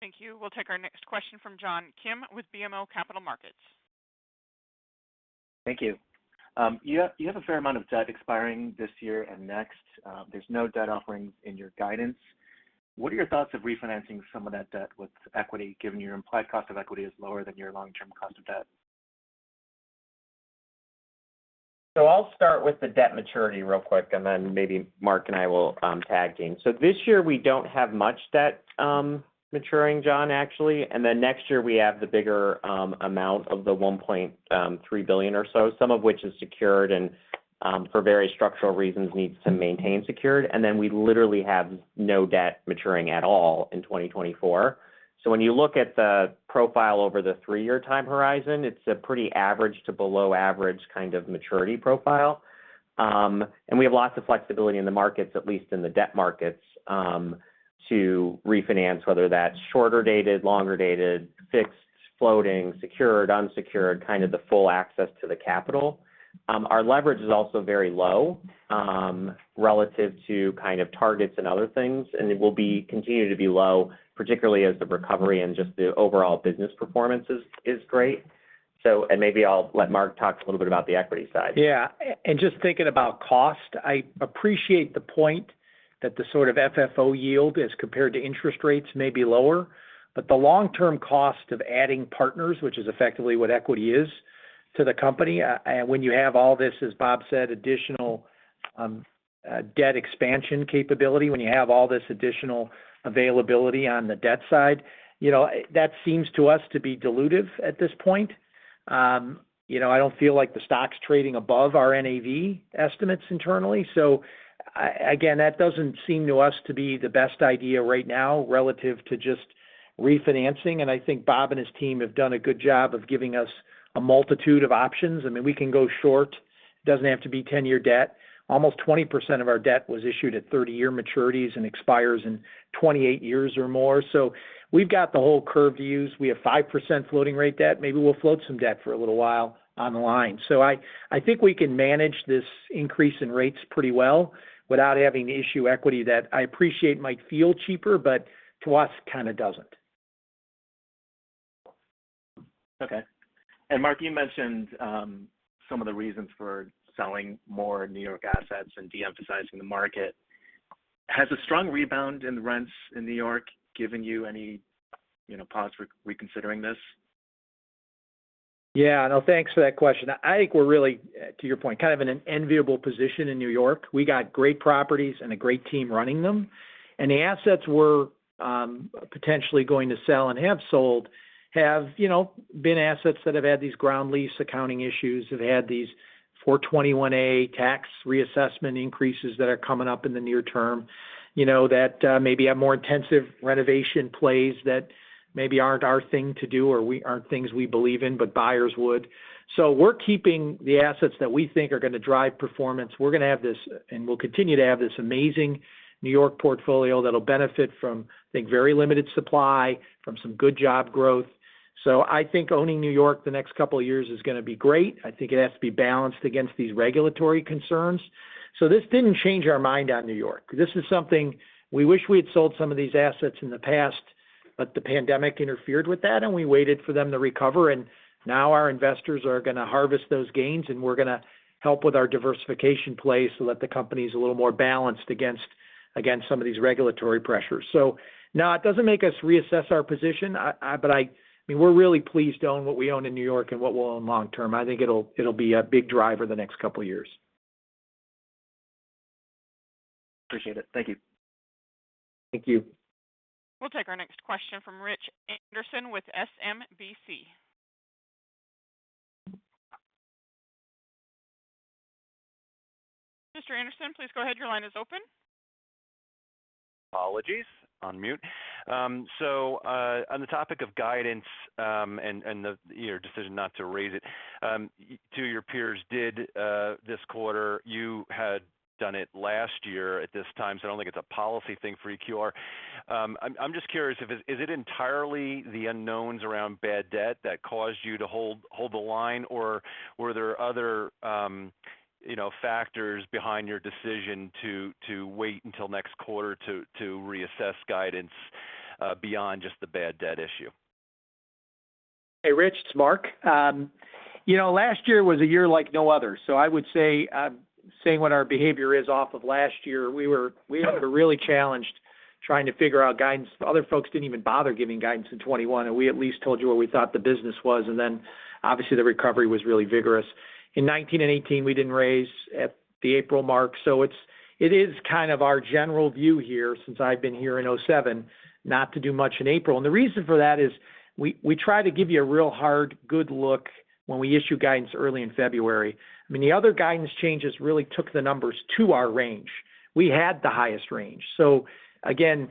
Thank you. We'll take our next question from John Kim with BMO Capital Markets. Thank you. You have a fair amount of debt expiring this year and next. There's no debt offerings in your guidance. What are your thoughts of refinancing some of that debt with equity, given your implied cost of equity is lower than your long-term cost of debt? I'll start with the debt maturity real quick, and then maybe Mark and I will tag team. This year we don't have much debt maturing, John, actually. Next year we have the bigger amount of the $1.3 billion or so, some of which is secured and for various structural reasons needs to maintain secured. We literally have no debt maturing at all in 2024. When you look at the profile over the three-year time horizon, it's a pretty average to below average kind of maturity profile. We have lots of flexibility in the markets, at least in the debt markets, to refinance, whether that's shorter dated, longer dated, fixed, floating, secured, unsecured, kind of the full access to the capital. Our leverage is also very low, relative to kind of targets and other things, and it will continue to be low, particularly as the recovery and just the overall business performance is great. Maybe I'll let Mark talk a little bit about the equity side. Just thinking about cost, I appreciate the point that the sort of FFO yield as compared to interest rates may be lower. The long-term cost of adding partners, which is effectively what equity is to the company, and when you have all this, as Bob said, additional debt expansion capability, when you have all this additional availability on the debt side that seems to us to be dilutive at this point. I don't feel like the stock's trading above our NAV estimates internally. Again, that doesn't seem to us to be the best idea right now relative to just refinancing. I think Bob and his team have done a good job of giving us a multitude of options. I mean, we can go short. It doesn't have to be 10-year debt. Almost 20% of our debt was issued at 30-year maturities and expires in 28 years or more. We've got the whole curve to use. We have 5% floating rate debt. Maybe we'll float some debt for a little while on the line. I think we can manage this increase in rates pretty well without having to issue equity that I appreciate might feel cheaper, but to us kind of doesn't. Okay. Mark, you mentioned some of the reasons for selling more New York assets and de-emphasizing the market. Has a strong rebound in rents in New York given you any pause for reconsidering this? No, thanks for that question. I think we're really, to your point, kind of in an enviable position in New York. We got great properties and a great team running them. The assets we're potentially going to sell and have sold have been assets that have had these ground lease accounting issues, have had these 421-a tax reassessment increases that are coming up in the near term that maybe have more intensive renovation plays that maybe aren't our thing to do or aren't things we believe in, but buyers would. We're keeping the assets that we think are gonna drive performance. We're gonna have this, and we'll continue to have this amazing New York portfolio that'll benefit from, I think, very limited supply from some good job growth. I think owning New York the next couple of years is gonna be great. I think it has to be balanced against these regulatory concerns. This didn't change our mind on New York. This is something we wish we had sold some of these assets in the past, but the pandemic interfered with that, and we waited for them to recover, and now our investors are gonna harvest those gains, and we're gonna help with our diversification play so that the company's a little more balanced against some of these regulatory pressures. No, it doesn't make us reassess our position. I mean, we're really pleased to own what we own in New York and what we'll own long term. I think it'll be a big driver the next couple of years. Appreciate it. Thank you. Thank you. We'll take our next question from Rich Anderson with SMBC. Mr. Anderson, please go ahead. Your line is open. Apologies on mute. On the topic of guidance and the decision not to raise it, two of your peers did this quarter. You had done it last year at this time, so I don't think it's a policy thing for EQR. I'm just curious if it is entirely the unknowns around bad debt that caused you to hold the line, or were there other factors behind your decision to wait until next quarter to reassess guidance beyond just the bad debt issue? Rich, it's Mark. Last year was a year like no other. I would say basing what our behavior is off of last year, we had a really challenging time trying to figure out guidance. Other folks didn't even bother giving guidance in 2021, and we at least told you where we thought the business was. Obviously the recovery was really vigorous. In 2019 and 2018, we didn't raise at the April mark. It is kind of our general view here since I've been here in 2007 not to do much in April. The reason for that is we try to give you a real good hard look when we issue guidance early in February. I mean, the other guidance changes really took the numbers to our range. We had the highest range. Again,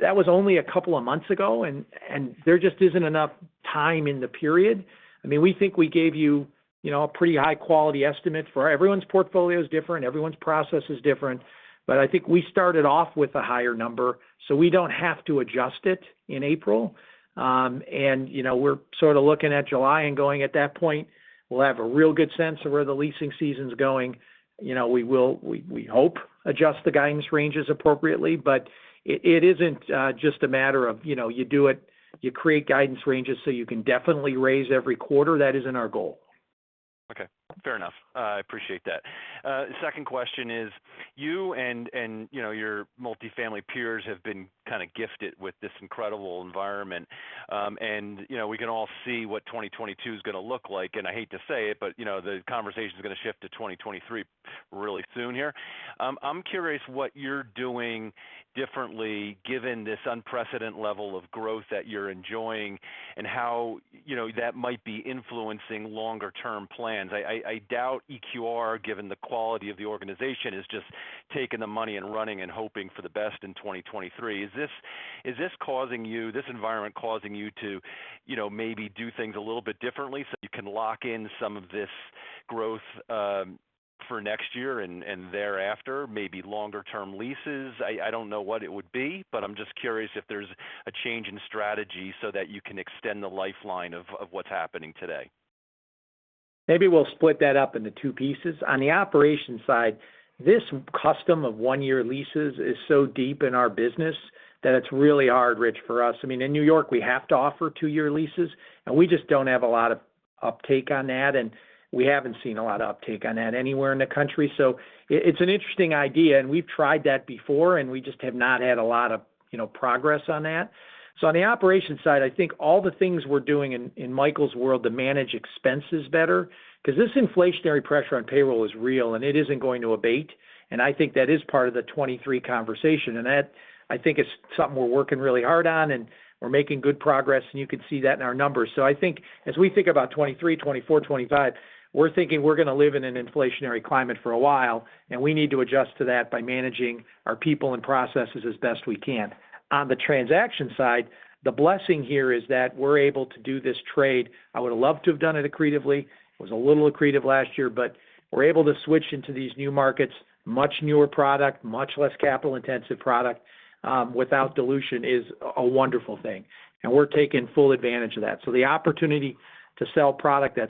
that was only a couple of months ago, and there just isn't enough time in the period. I mean, we think we gave a pretty high quality estimate for everyone's portfolio is different, everyone's process is different. I think we started off with a higher number, so we don't have to adjust it in April. We're sort of looking at July and going at that point, we'll have a real good sense of where the leasing season's going. We hope adjust the guidance ranges appropriately. It isn't just a matter of you do it, you create guidance ranges, so you can definitely raise every quarter. That isn't our goal. Okay, fair enough. I appreciate that. Second question is, you and your multifamily peers have been kind of gifted with this incredible environment. We can all see what 2022 is gonna look like, and I hate to say it, but the conversation is gonna shift to 2023 really soon here. I'm curious what you're doing differently given this unprecedented level of growth that you're enjoying and how that might be influencing longer term plans. I doubt EQR, given the quality of the organization, is just taking the money and running and hoping for the best in 2023. Is this environment causing you to maybe do things a little bit differently so you can lock in some of this growth for next year and thereafter, maybe longer term leases? I don't know what it would be, but I'm just curious if there's a change in strategy so that you can extend the lifeline of what's happening today. Maybe we'll split that up into 2 pieces. On the operations side, this custom of one-year leases is so deep in our business that it's really hard, Rich, for us. I mean, in New York, we have to offer 2-year leases, and we just don't have a lot of uptake on that, and we haven't seen a lot of uptake on that anywhere in the country. It's an interesting idea, and we've tried that before, and we just have not had a lot of progress on that. On the operations side, I think all the things we're doing in Michael's world to manage expenses better, 'cause this inflationary pressure on payroll is real and it isn't going to abate. I think that is part of the 2023 conversation. That, I think, is something we're working really hard on, and we're making good progress, and you can see that in our numbers. I think as we think about 2023, 2024, 2025, we're thinking we're gonna live in an inflationary climate for a while, and we need to adjust to that by managing our people and processes as best we can. On the transaction side, the blessing here is that we're able to do this trade. I would love to have done it accretively. It was a little accretive last year, but we're able to switch into these new markets, much newer product, much less capital-intensive product, without dilution is a wonderful thing, and we're taking full advantage of that. The opportunity to sell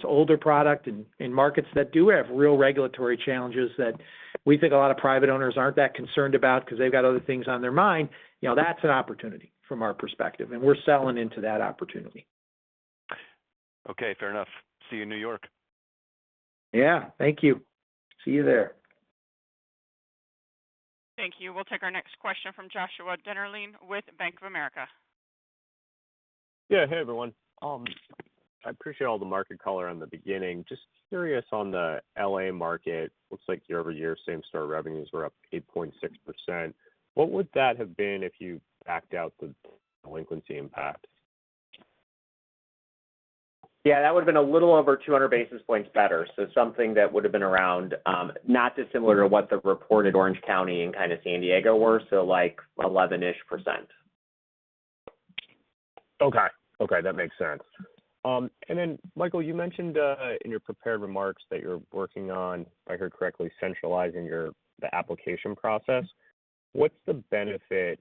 older product in markets that do have real regulatory challenges that we think a lot of private owners aren't that concerned about 'cause they've got other things on their mind that's an opportunity from our perspective, and we're selling into that opportunity. Okay, fair enough. See you in New York. Yeah. Thank you. See you there. Thank you. We'll take our next question from Joshua Dennerlein with Bank of America. Hey, everyone. I appreciate all the market color on the beginning. Just curious on the L.A. market. Looks like year-over-year, same-store revenues were up 8.6%. What would that have been if you backed out the delinquency impact? That would have been a little over 200 basis points better. Something that would have been around, not dissimilar to what the reported Orange County and kind of San Diego were, so like 11-ish%. Okay. Okay, that makes sense. Michael, you mentioned in your prepared remarks that you're working on, if I heard correctly, centralizing your application process. What's the benefit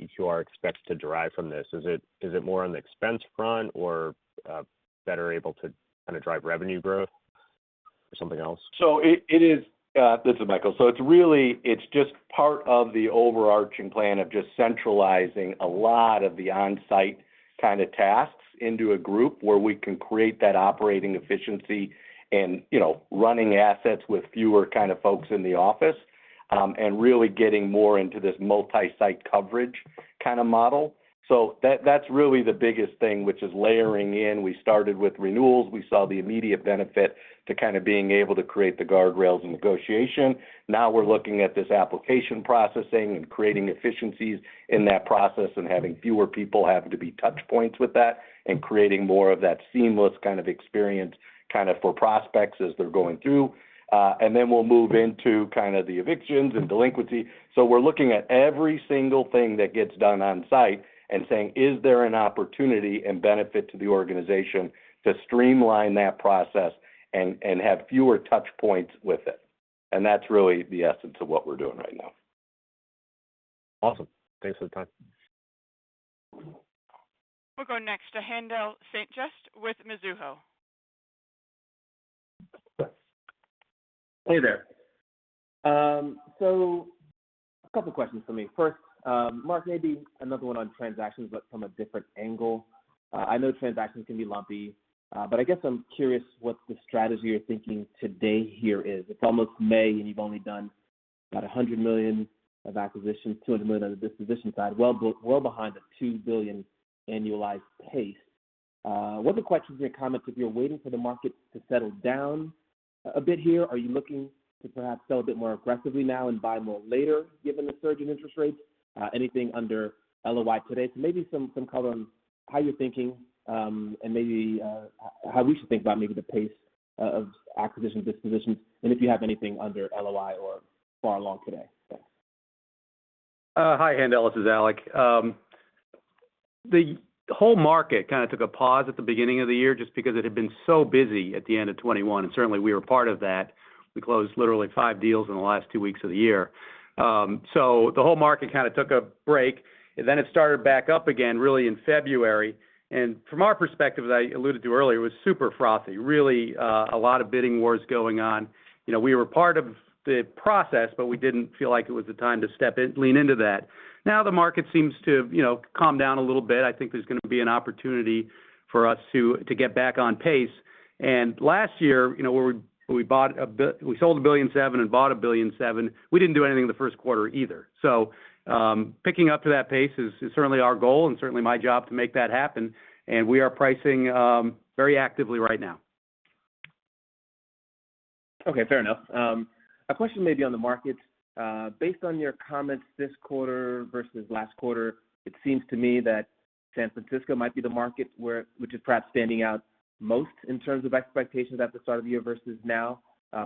EQR expects to derive from this? Is it more on the expense front or better able to kinda drive revenue growth or something else? This is Michael. It's really just part of the overarching plan of just centralizing a lot of the on-site kind of tasks into a group where we can create that operating efficiency and running assets with fewer kind of folks in the office, and really getting more into this multi-site coverage kind of model. That's really the biggest thing, which is layering in. We started with renewals. We saw the immediate benefit to kind of being able to create the guardrails and negotiation. Now we're looking at this application processing and creating efficiencies in that process and having fewer people having to be touch points with that and creating more of that seamless kind of experience, kind of for prospects as they're going through. Then we'll move into kind of the evictions and delinquency. We're looking at every single thing that gets done on site and saying, "Is there an opportunity and benefit to the organization to streamline that process and have fewer touch points with it?" That's really the essence of what we're doing right now. Awesome. Thanks for the time. We'll go next to Haendel St. Juste with Mizuho. Hey there. A couple questions for me. First, Mark, maybe another one on transactions, but from a different angle. I know transactions can be lumpy, but I guess I'm curious what the strategy you're thinking today here is. It's almost May, and you've only done about $100 million of acquisitions, $200 million on the disposition side, well behind the $2 billion annualized pace. What are the questions and your comments if you're waiting for the market to settle down a bit here? Are you looking to perhaps sell a bit more aggressively now and buy more later, given the surge in interest rates? Anything under LOI today? Maybe some color on how you're thinking, and maybe how we should think about maybe the pace of acquisitions, dispositions, and if you have anything under LOI or far along today? Hi, Haendel. This is Alec. The whole market kind of took a pause at the beginning of the year just because it had been so busy at the end of 2021, and certainly, we were part of that. We closed literally 5 deals in the last 2 weeks of the year. The whole market kind of took a break, and then it started back up again, really in February. From our perspective, as I alluded to earlier, it was super frothy. A lot of bidding wars going on. We were part of the process, but we didn't feel like it was the time to lean into that. Now the market seems to calm down a little bit. I think there's gonna be an opportunity for us to get back on pace. Last year, where we sold $1.7 billion and bought $1.7 billion, we didn't do anything in the Q1 either. Picking up to that pace is certainly our goal and certainly my job to make that happen. We are pricing very actively right now. Okay, fair enough. A question maybe on the market. Based on your comments this quarter versus last quarter, it seems to me that San Francisco might be the market which is perhaps standing out most in terms of expectations at the start of the year versus now,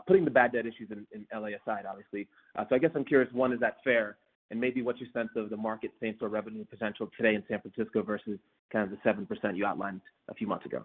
putting the bad debt issues in L.A. aside, obviously. I guess I'm curious, one, is that fair? Maybe what's your sense of the market same store revenue potential today in San Francisco versus kind of the 7% you outlined a few months ago?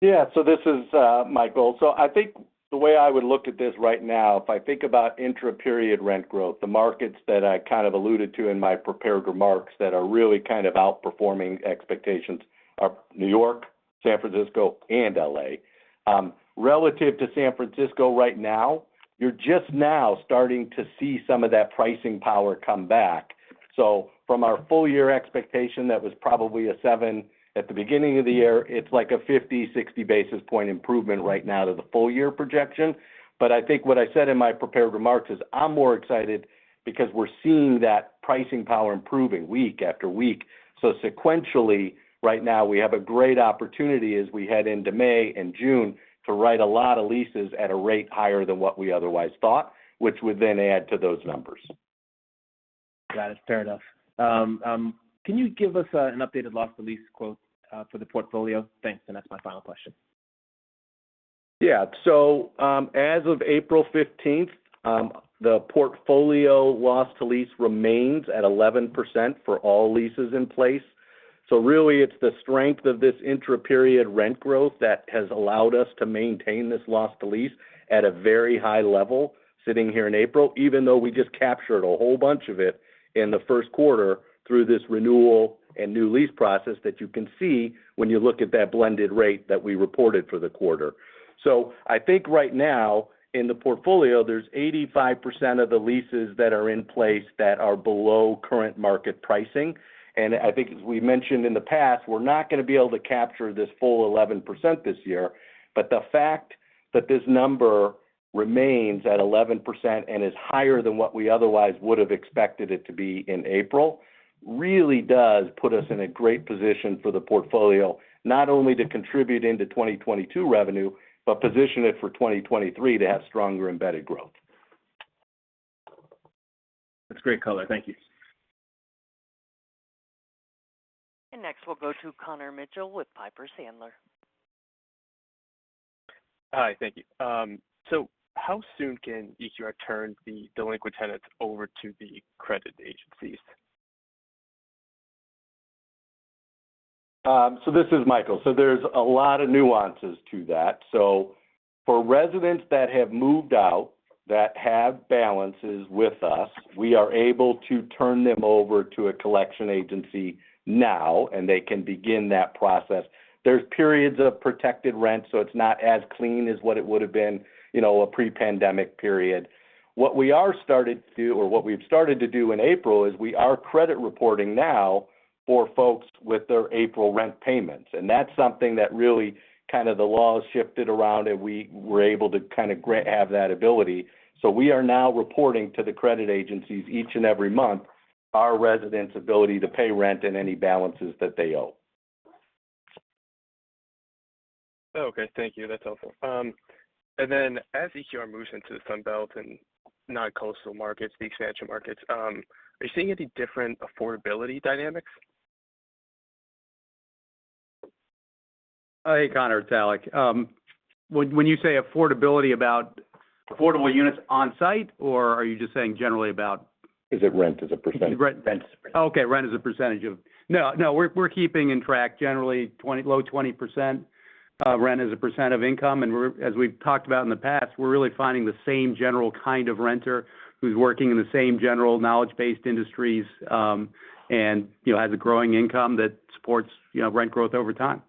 This is, Michael. I think the way I would look at this right now, if I think about intra-period rent growth, the markets that I kind of alluded to in my prepared remarks that are really kind of outperforming expectations are New York, San Francisco, and LA. Relative to San Francisco right now, you're just now starting to see some of that pricing power come back. From our full year expectation, that was probably a 7 at the beginning of the year. It's like a 50-60 basis point improvement right now to the full year projection. I think what I said in my prepared remarks is I'm more excited because we're seeing that pricing power improving week after week. Sequentially, right now we have a great opportunity as we head into May and June to write a lot of leases at a rate higher than what we otherwise thought, which would then add to those numbers. Got it. Fair enough. Can you give us an updated loss to lease quote for the portfolio? Thanks. That's my final question. As of April fifteenth, the portfolio loss to lease remains at 11% for all leases in place. Really it's the strength of this intra-period rent growth that has allowed us to maintain this loss to lease at a very high level sitting here in April, even though we just captured a whole bunch of it in the Q1 through this renewal and new lease process that you can see when you look at that blended rate that we reported for the quarter. I think right now in the portfolio, there's 85% of the leases that are in place that are below current market pricing. I think as we mentioned in the past, we're not gonna be able to capture this full 11% this year, but the fact that this number remains at 11% and is higher than what we otherwise would have expected it to be in April really does put us in a great position for the portfolio, not only to contribute into 2022 revenue, but position it for 2023 to have stronger embedded growth. That's great color. Thank you. Next, we'll go to Connor Mitchell with Piper Sandler. Hi. Thank you. How soon can EQR turn the delinquent tenants over to the credit agencies? This is Michael. There's a lot of nuances to that. For residents that have moved out that have balances with us, we are able to turn them over to a collection agency now, and they can begin that process. There's periods of protected rent, so it's not as clean as what it would have been a pre-pandemic period. What we've started to do in April is we are credit reporting now for folks with their April rent payments. That's something where the law shifted around, and we were able to kind of have that ability. We are now reporting to the credit agencies each and every month our residents' ability to pay rent and any balances that they owe. Okay. Thank you. That's helpful. As EQR moves into the Sun Belt and non-coastal markets, the expansion markets, are you seeing any different affordability dynamics? Hey, Connor, it's Alec. When you say affordability about affordable units on-site, or are you just saying generally about? Is it rent as a %? Rent. Rent. Okay. We're keeping on track generally low 20%, rent as a % of income. As we've talked about in the past, we're really finding the same general kind of renter who's working in the same general knowledge-based industries, and has a growing income that supports rent growth over time.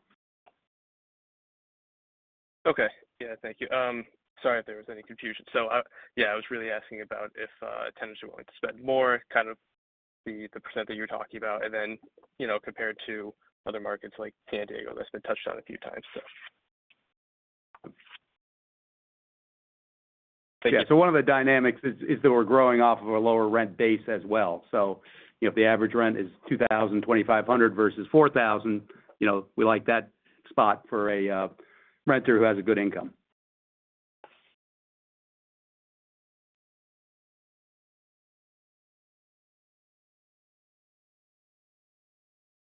Okay. Thank you. Sorry if there was any confusion. I was really asking about if tenants are willing to spend more, kind of the percent that you're talking about, and then compared to other markets like San Diego that's been touched on a few times. Thank you. One of the dynamics is that we're growing off of a lower rent base as well. If the average rent is $2,000, $2,500 versus $4,000 we like that spot for a renter who has a good income.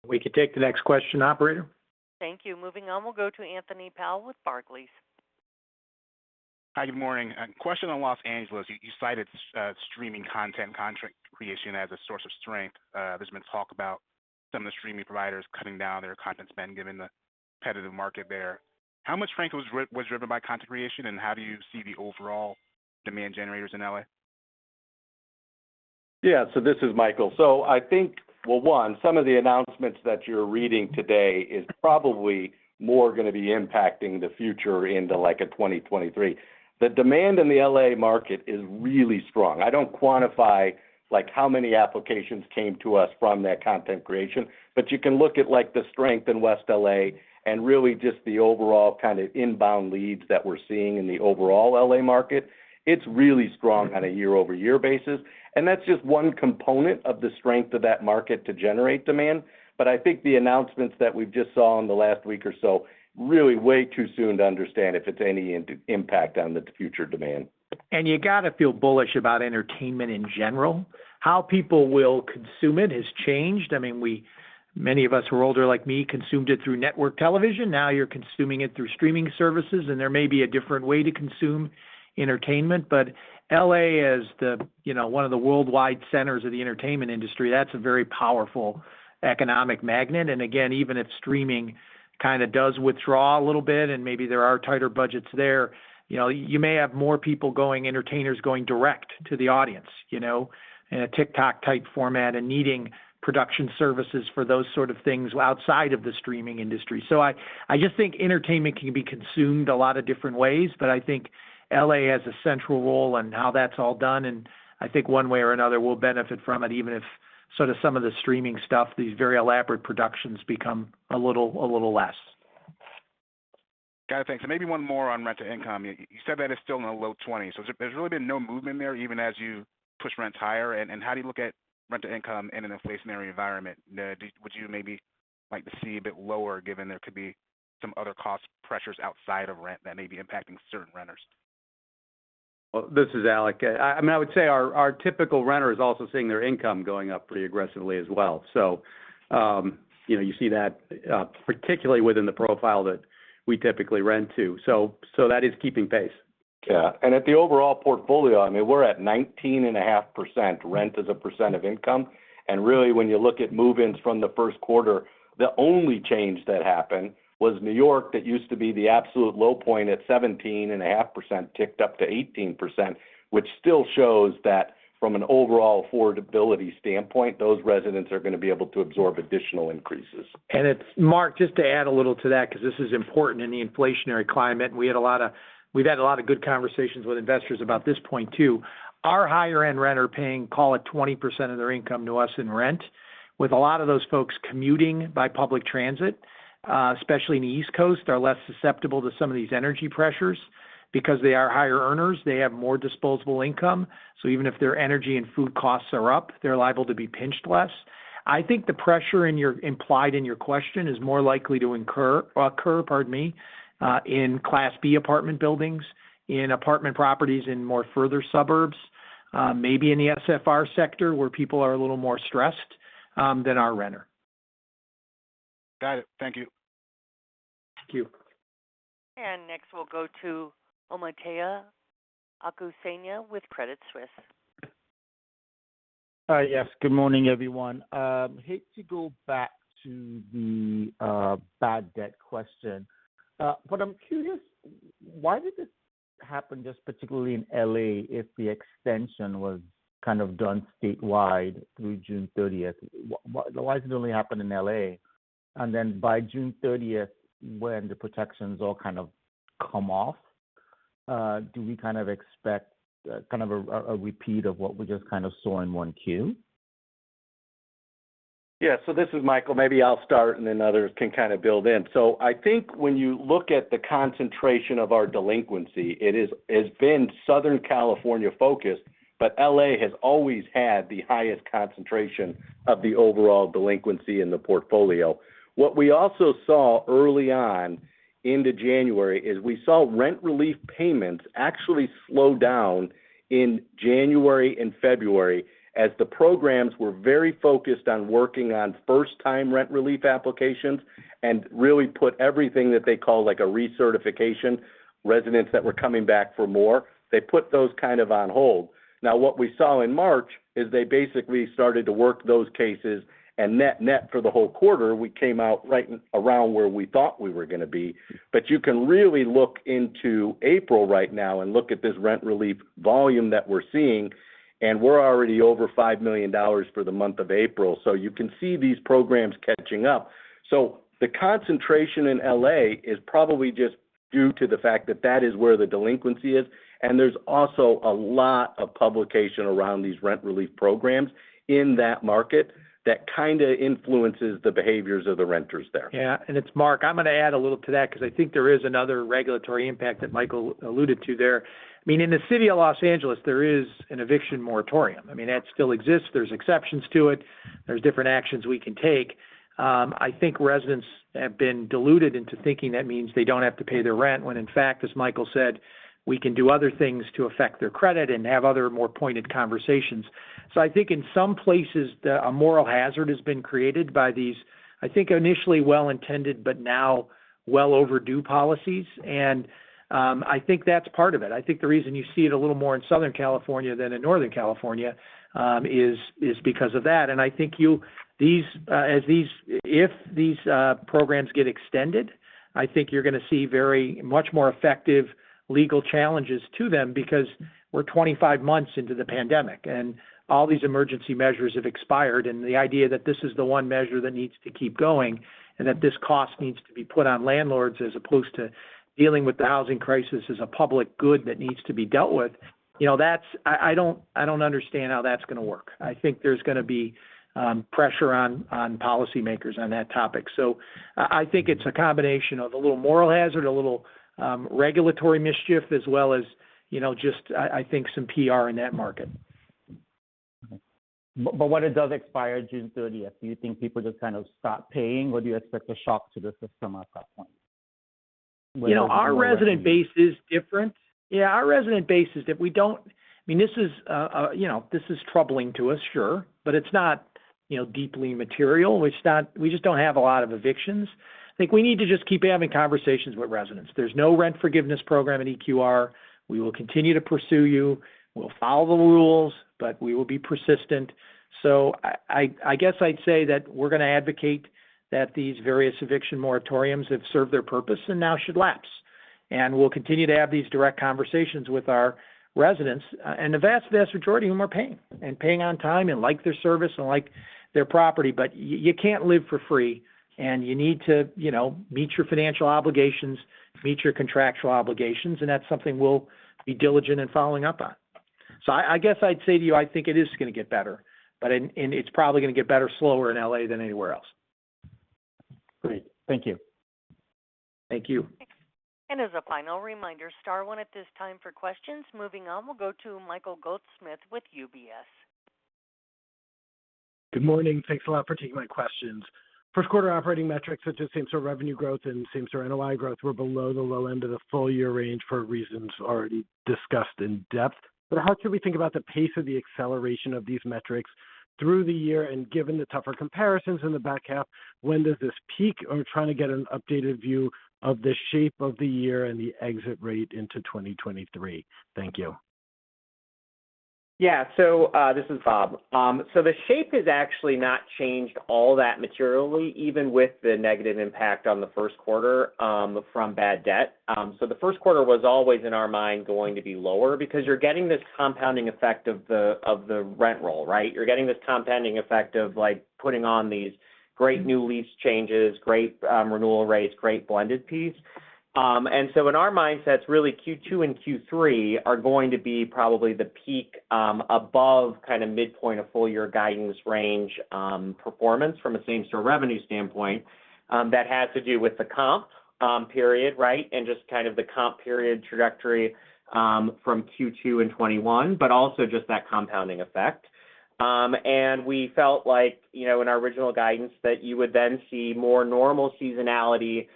We can take the next question, operator. Thank you. Moving on, we'll go to Anthony Powell with Barclays. Hi. Good morning. A question on Los Angeles. You cited streaming content contract creation as a source of strength. There's been talk about some of the streaming providers cutting down their content spend given the competitive market there. How much, Frank, was driven by content creation, and how do you see the overall demand generators in L.A.? This is Michael. I think. Well, one, some of the announcements that you're reading today is probably more gonna be impacting the future into, like, 2023. The demand in the L.A. market is really strong. I don't quantify, like, how many applications came to us from that content creation, but you can look at, like, the strength in West L.A. and really just the overall kind of inbound leads that we're seeing in the overall L.A. market. It's really strong on a year-over-year basis, and that's just one component of the strength of that market to generate demand. I think the announcements that we've just saw in the last week or so, really way too soon to understand if it's any impact on the future demand. You got to feel bullish about entertainment in general. How people will consume it has changed. I mean, many of us who are older like me consumed it through network television. Now you're consuming it through streaming services, and there may be a different way to consume entertainment. L.A. as the one of the worldwide centers of the entertainment industry, that's a very powerful economic magnet. Again, even if streaming kind of does withdraw a little bit and maybe there are tighter budgets there you may have more people going entertainers going direct to the audience in a TikTok type format and needing production services for those sort of things outside of the streaming industry. I just think entertainment can be consumed a lot of different ways, but I think L.A. has a central role in how that's all done, and I think one way or another we'll benefit from it, even if sort of some of the streaming stuff, these very elaborate productions become a little less. Got it. Thanks. Maybe one more on rent to income. You said that is still in the low 20s%. There's really been no movement there even as you push rents higher. How do you look at rent to income in an inflationary environment? Would you maybe like to see a bit lower given there could be some other cost pressures outside of rent that may be impacting certain renters? Well, this is Alec. I mean, I would say our typical renter is also seeing their income going up pretty aggressively as well. You see that, particularly within the profile that we typically rent to. That is keeping pace. At the overall portfolio, I mean, we're at 19.5% rent as a percent of income. Really when you look at move-ins from the Q1, the only change that happened was New York that used to be the absolute low point at 17.5% ticked up to 18%, which still shows that from an overall affordability standpoint, those residents are going to be able to absorb additional increases. Mark, just to add a little to that, because this is important in the inflationary climate. We've had a lot of good conversations with investors about this point too. Our higher end rent are paying, call it 20% of their income to us in rent. With a lot of those folks commuting by public transit, especially in the East Coast, are less susceptible to some of these energy pressures. Because they are higher earners, they have more disposable income. Even if their energy and food costs are up, they're liable to be pinched less. I think the pressure implied in your question is more likely to incur, occur, pardon me, in Class B apartment buildings, in apartment properties in more further suburbs, maybe in the SFR sector where people are a little more stressed, than our renter. Got it. Thank you. Thank you. Next we'll go to Omotayo Okusanya with Credit Suisse. Hi. Yes, good morning, everyone. I hate to go back to the bad debt question. But I'm curious, why did this happen just particularly in L.A. if the extension was done statewide through June thirtieth? Why does it only happen in L.A.? By June thirtieth, when the protections all come off, do we expect a repeat of what we just saw in 1Q? This is Michael. Maybe I'll start and then others can kind of build in. I think when you look at the concentration of our delinquency, it has been Southern California focused, but L.A. has always had the highest concentration of the overall delinquency in the portfolio. What we also saw early on into January is we saw rent relief payments actually slow down in January and February as the programs were very focused on working on first time rent relief applications and really put everything that they call like a recertification, residents that were coming back for more, they put those kind of on hold. Now what we saw in March is they basically started to work those cases and net for the whole quarter, we came out right around where we thought we were going to be. You can really look into April right now and look at this rent relief volume that we're seeing, and we're already over $5 million for the month of April. You can see these programs catching up. The concentration in L.A. is probably just due to the fact that that is where the delinquency is, and there's also a lot of publication around these rent relief programs in that market that kind of influences the behaviors of the renters there. It's Mark. I'm going to add a little to that because I think there is another regulatory impact that Michael alluded to there. I mean, in the city of Los Angeles, there is an eviction moratorium. I mean, that still exists. There's exceptions to it. There's different actions we can take. I think residents have been deluded into thinking that means they don't have to pay their rent when in fact, as Michael said, we can do other things to affect their credit and have other more pointed conversations. I think in some places, a moral hazard has been created by these, I think initially well-intended, but now well overdue policies. I think that's part of it. I think the reason you see it a little more in Southern California than in Northern California is because of that. I think if these programs get extended, I think you're going to see very much more effective legal challenges to them because we're 25 months into the pandemic, and all these emergency measures have expired, and the idea that this is the one measure that needs to keep going and that this cost needs to be put on landlords as opposed to dealing with the housing crisis is a public good that needs to be dealt with that's. I don't understand how that's going to work. I think there's going to be pressure on policymakers on that topic. I think it's a combination of a little moral hazard, a little regulatory mischief, as well as just I think some PR in that market. When it does expire June thirtieth, do you think people just kind of stop paying, or do you expect a shock to the system at that point? Our resident base is different. Our resident base is different. I mean, this is this is troubling to us, sure. But it's not deeply material. It's not. We just don't have a lot of evictions. I think we need to just keep having conversations with residents. There's no rent forgiveness program in EQR. We will continue to pursue you. We'll follow the rules, but we will be persistent. I guess I'd say that we're gonna advocate that these various eviction moratoriums have served their purpose and now should lapse. We'll continue to have these direct conversations with our residents, and the vast majority of whom are paying, and paying on time and like their service and like their property. You can't live for free, and you need to meet your financial obligations, meet your contractual obligations, and that's something we'll be diligent in following up on. I guess I'd say to you, I think it is gonna get better, but in, and it's probably gonna get better slower in LA than anywhere else. Great. Thank you. Thank you. As a final reminder, star one at this time for questions. Moving on, we'll go to Michael Goldsmith with UBS. Good morning. Thanks a lot for taking my questions. First quarter operating metrics such as same-store revenue growth and same-store NOI growth were below the low end of the full year range for reasons already discussed in depth. How should we think about the pace of the acceleration of these metrics through the year? Given the tougher comparisons in the back half, when does this peak? I'm trying to get an updated view of the shape of the year and the exit rate into 2023. Thank you. This is Bob. The shape has actually not changed all that materially, even with the negative impact on Q1 from bad debt. The Q1 was always, in our mind, going to be lower because you're getting this compounding effect of the rent roll, right? You're getting this compounding effect of, like, putting on these great new lease changes, great renewal rates, great blended piece. In our mindsets, really Q2 and Q3 are going to be probably the peak above kind of midpoint of full year guidance range performance from a same-store revenue standpoint, that has to do with the comp period, right, and just kind of the comp period trajectory from Q2 in 2021, but also just that compounding effect. We felt like in our original guidance that you would then see more normal seasonality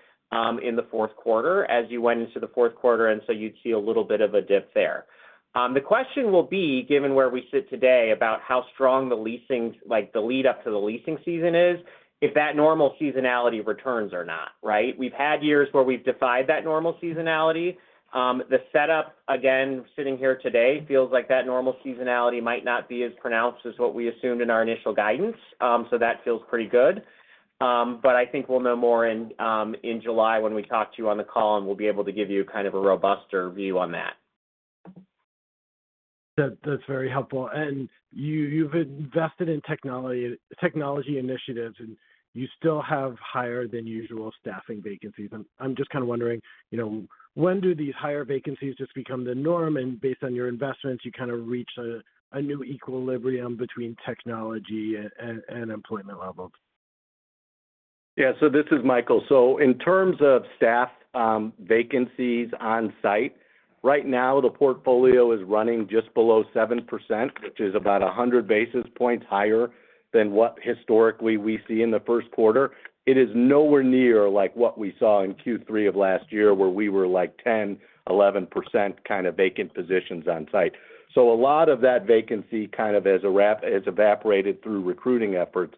in the fourth quarter as you went into the fourth quarter, and so you'd see a little bit of a dip there. The question will be, given where we sit today, about how strong the lead-up to the leasing season is, if that normal seasonality returns or not, right? We've had years where we've defied that normal seasonality. The setup, again, sitting here today feels like that normal seasonality might not be as pronounced as what we assumed in our initial guidance, so that feels pretty good. I think we'll know more in July when we talk to you on the call, and we'll be able to give you kind of a more robust view on that. That's very helpful. You've invested in technology initiatives, and you still have higher than usual staffing vacancies. I'm just kind of wondering, you know, when do these higher vacancies just become the norm and, based on your investments, you kind of reach a new equilibrium between technology and employment levels? This is Michael. In terms of staff vacancies on-site, right now the portfolio is running just below 7%, which is about 100 basis points higher than what historically we see in theQ1. It is nowhere near like what we saw in Q3 of last year, where we were like 10, 11% kind of vacant positions on-site. A lot of that vacancy kind of has evaporated through recruiting efforts.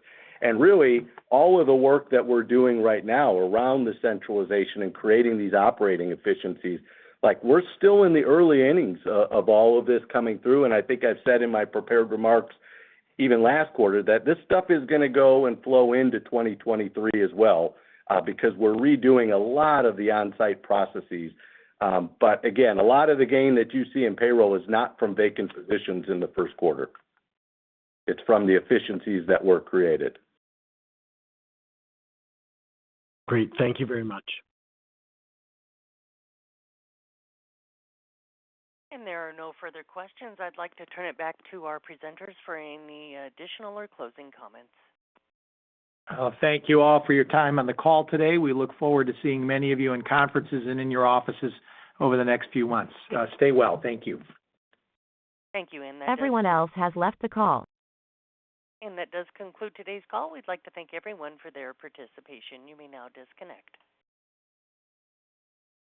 Really, all of the work that we're doing right now around the centralization and creating these operating efficiencies, like, we're still in the early innings of all of this coming through, and I think I've said in my prepared remarks even last quarter that this stuff is gonna go and flow into 2023 as well, because we're redoing a lot of the on-site processes. Again, a lot of the gain that you see in payroll is not from vacant positions in Q1. It's from the efficiencies that were created. Great. Thank you very much. There are no further questions. I'd like to turn it back to our presenters for any additional or closing comments. Well, thank you all for your time on the call today. We look forward to seeing many of you in conferences and in your offices over the next few months. Stay well. Thank you. Thank you. Everyone else has left the call. That does conclude today's call. We'd like to thank everyone for their participation. You may now disconnect.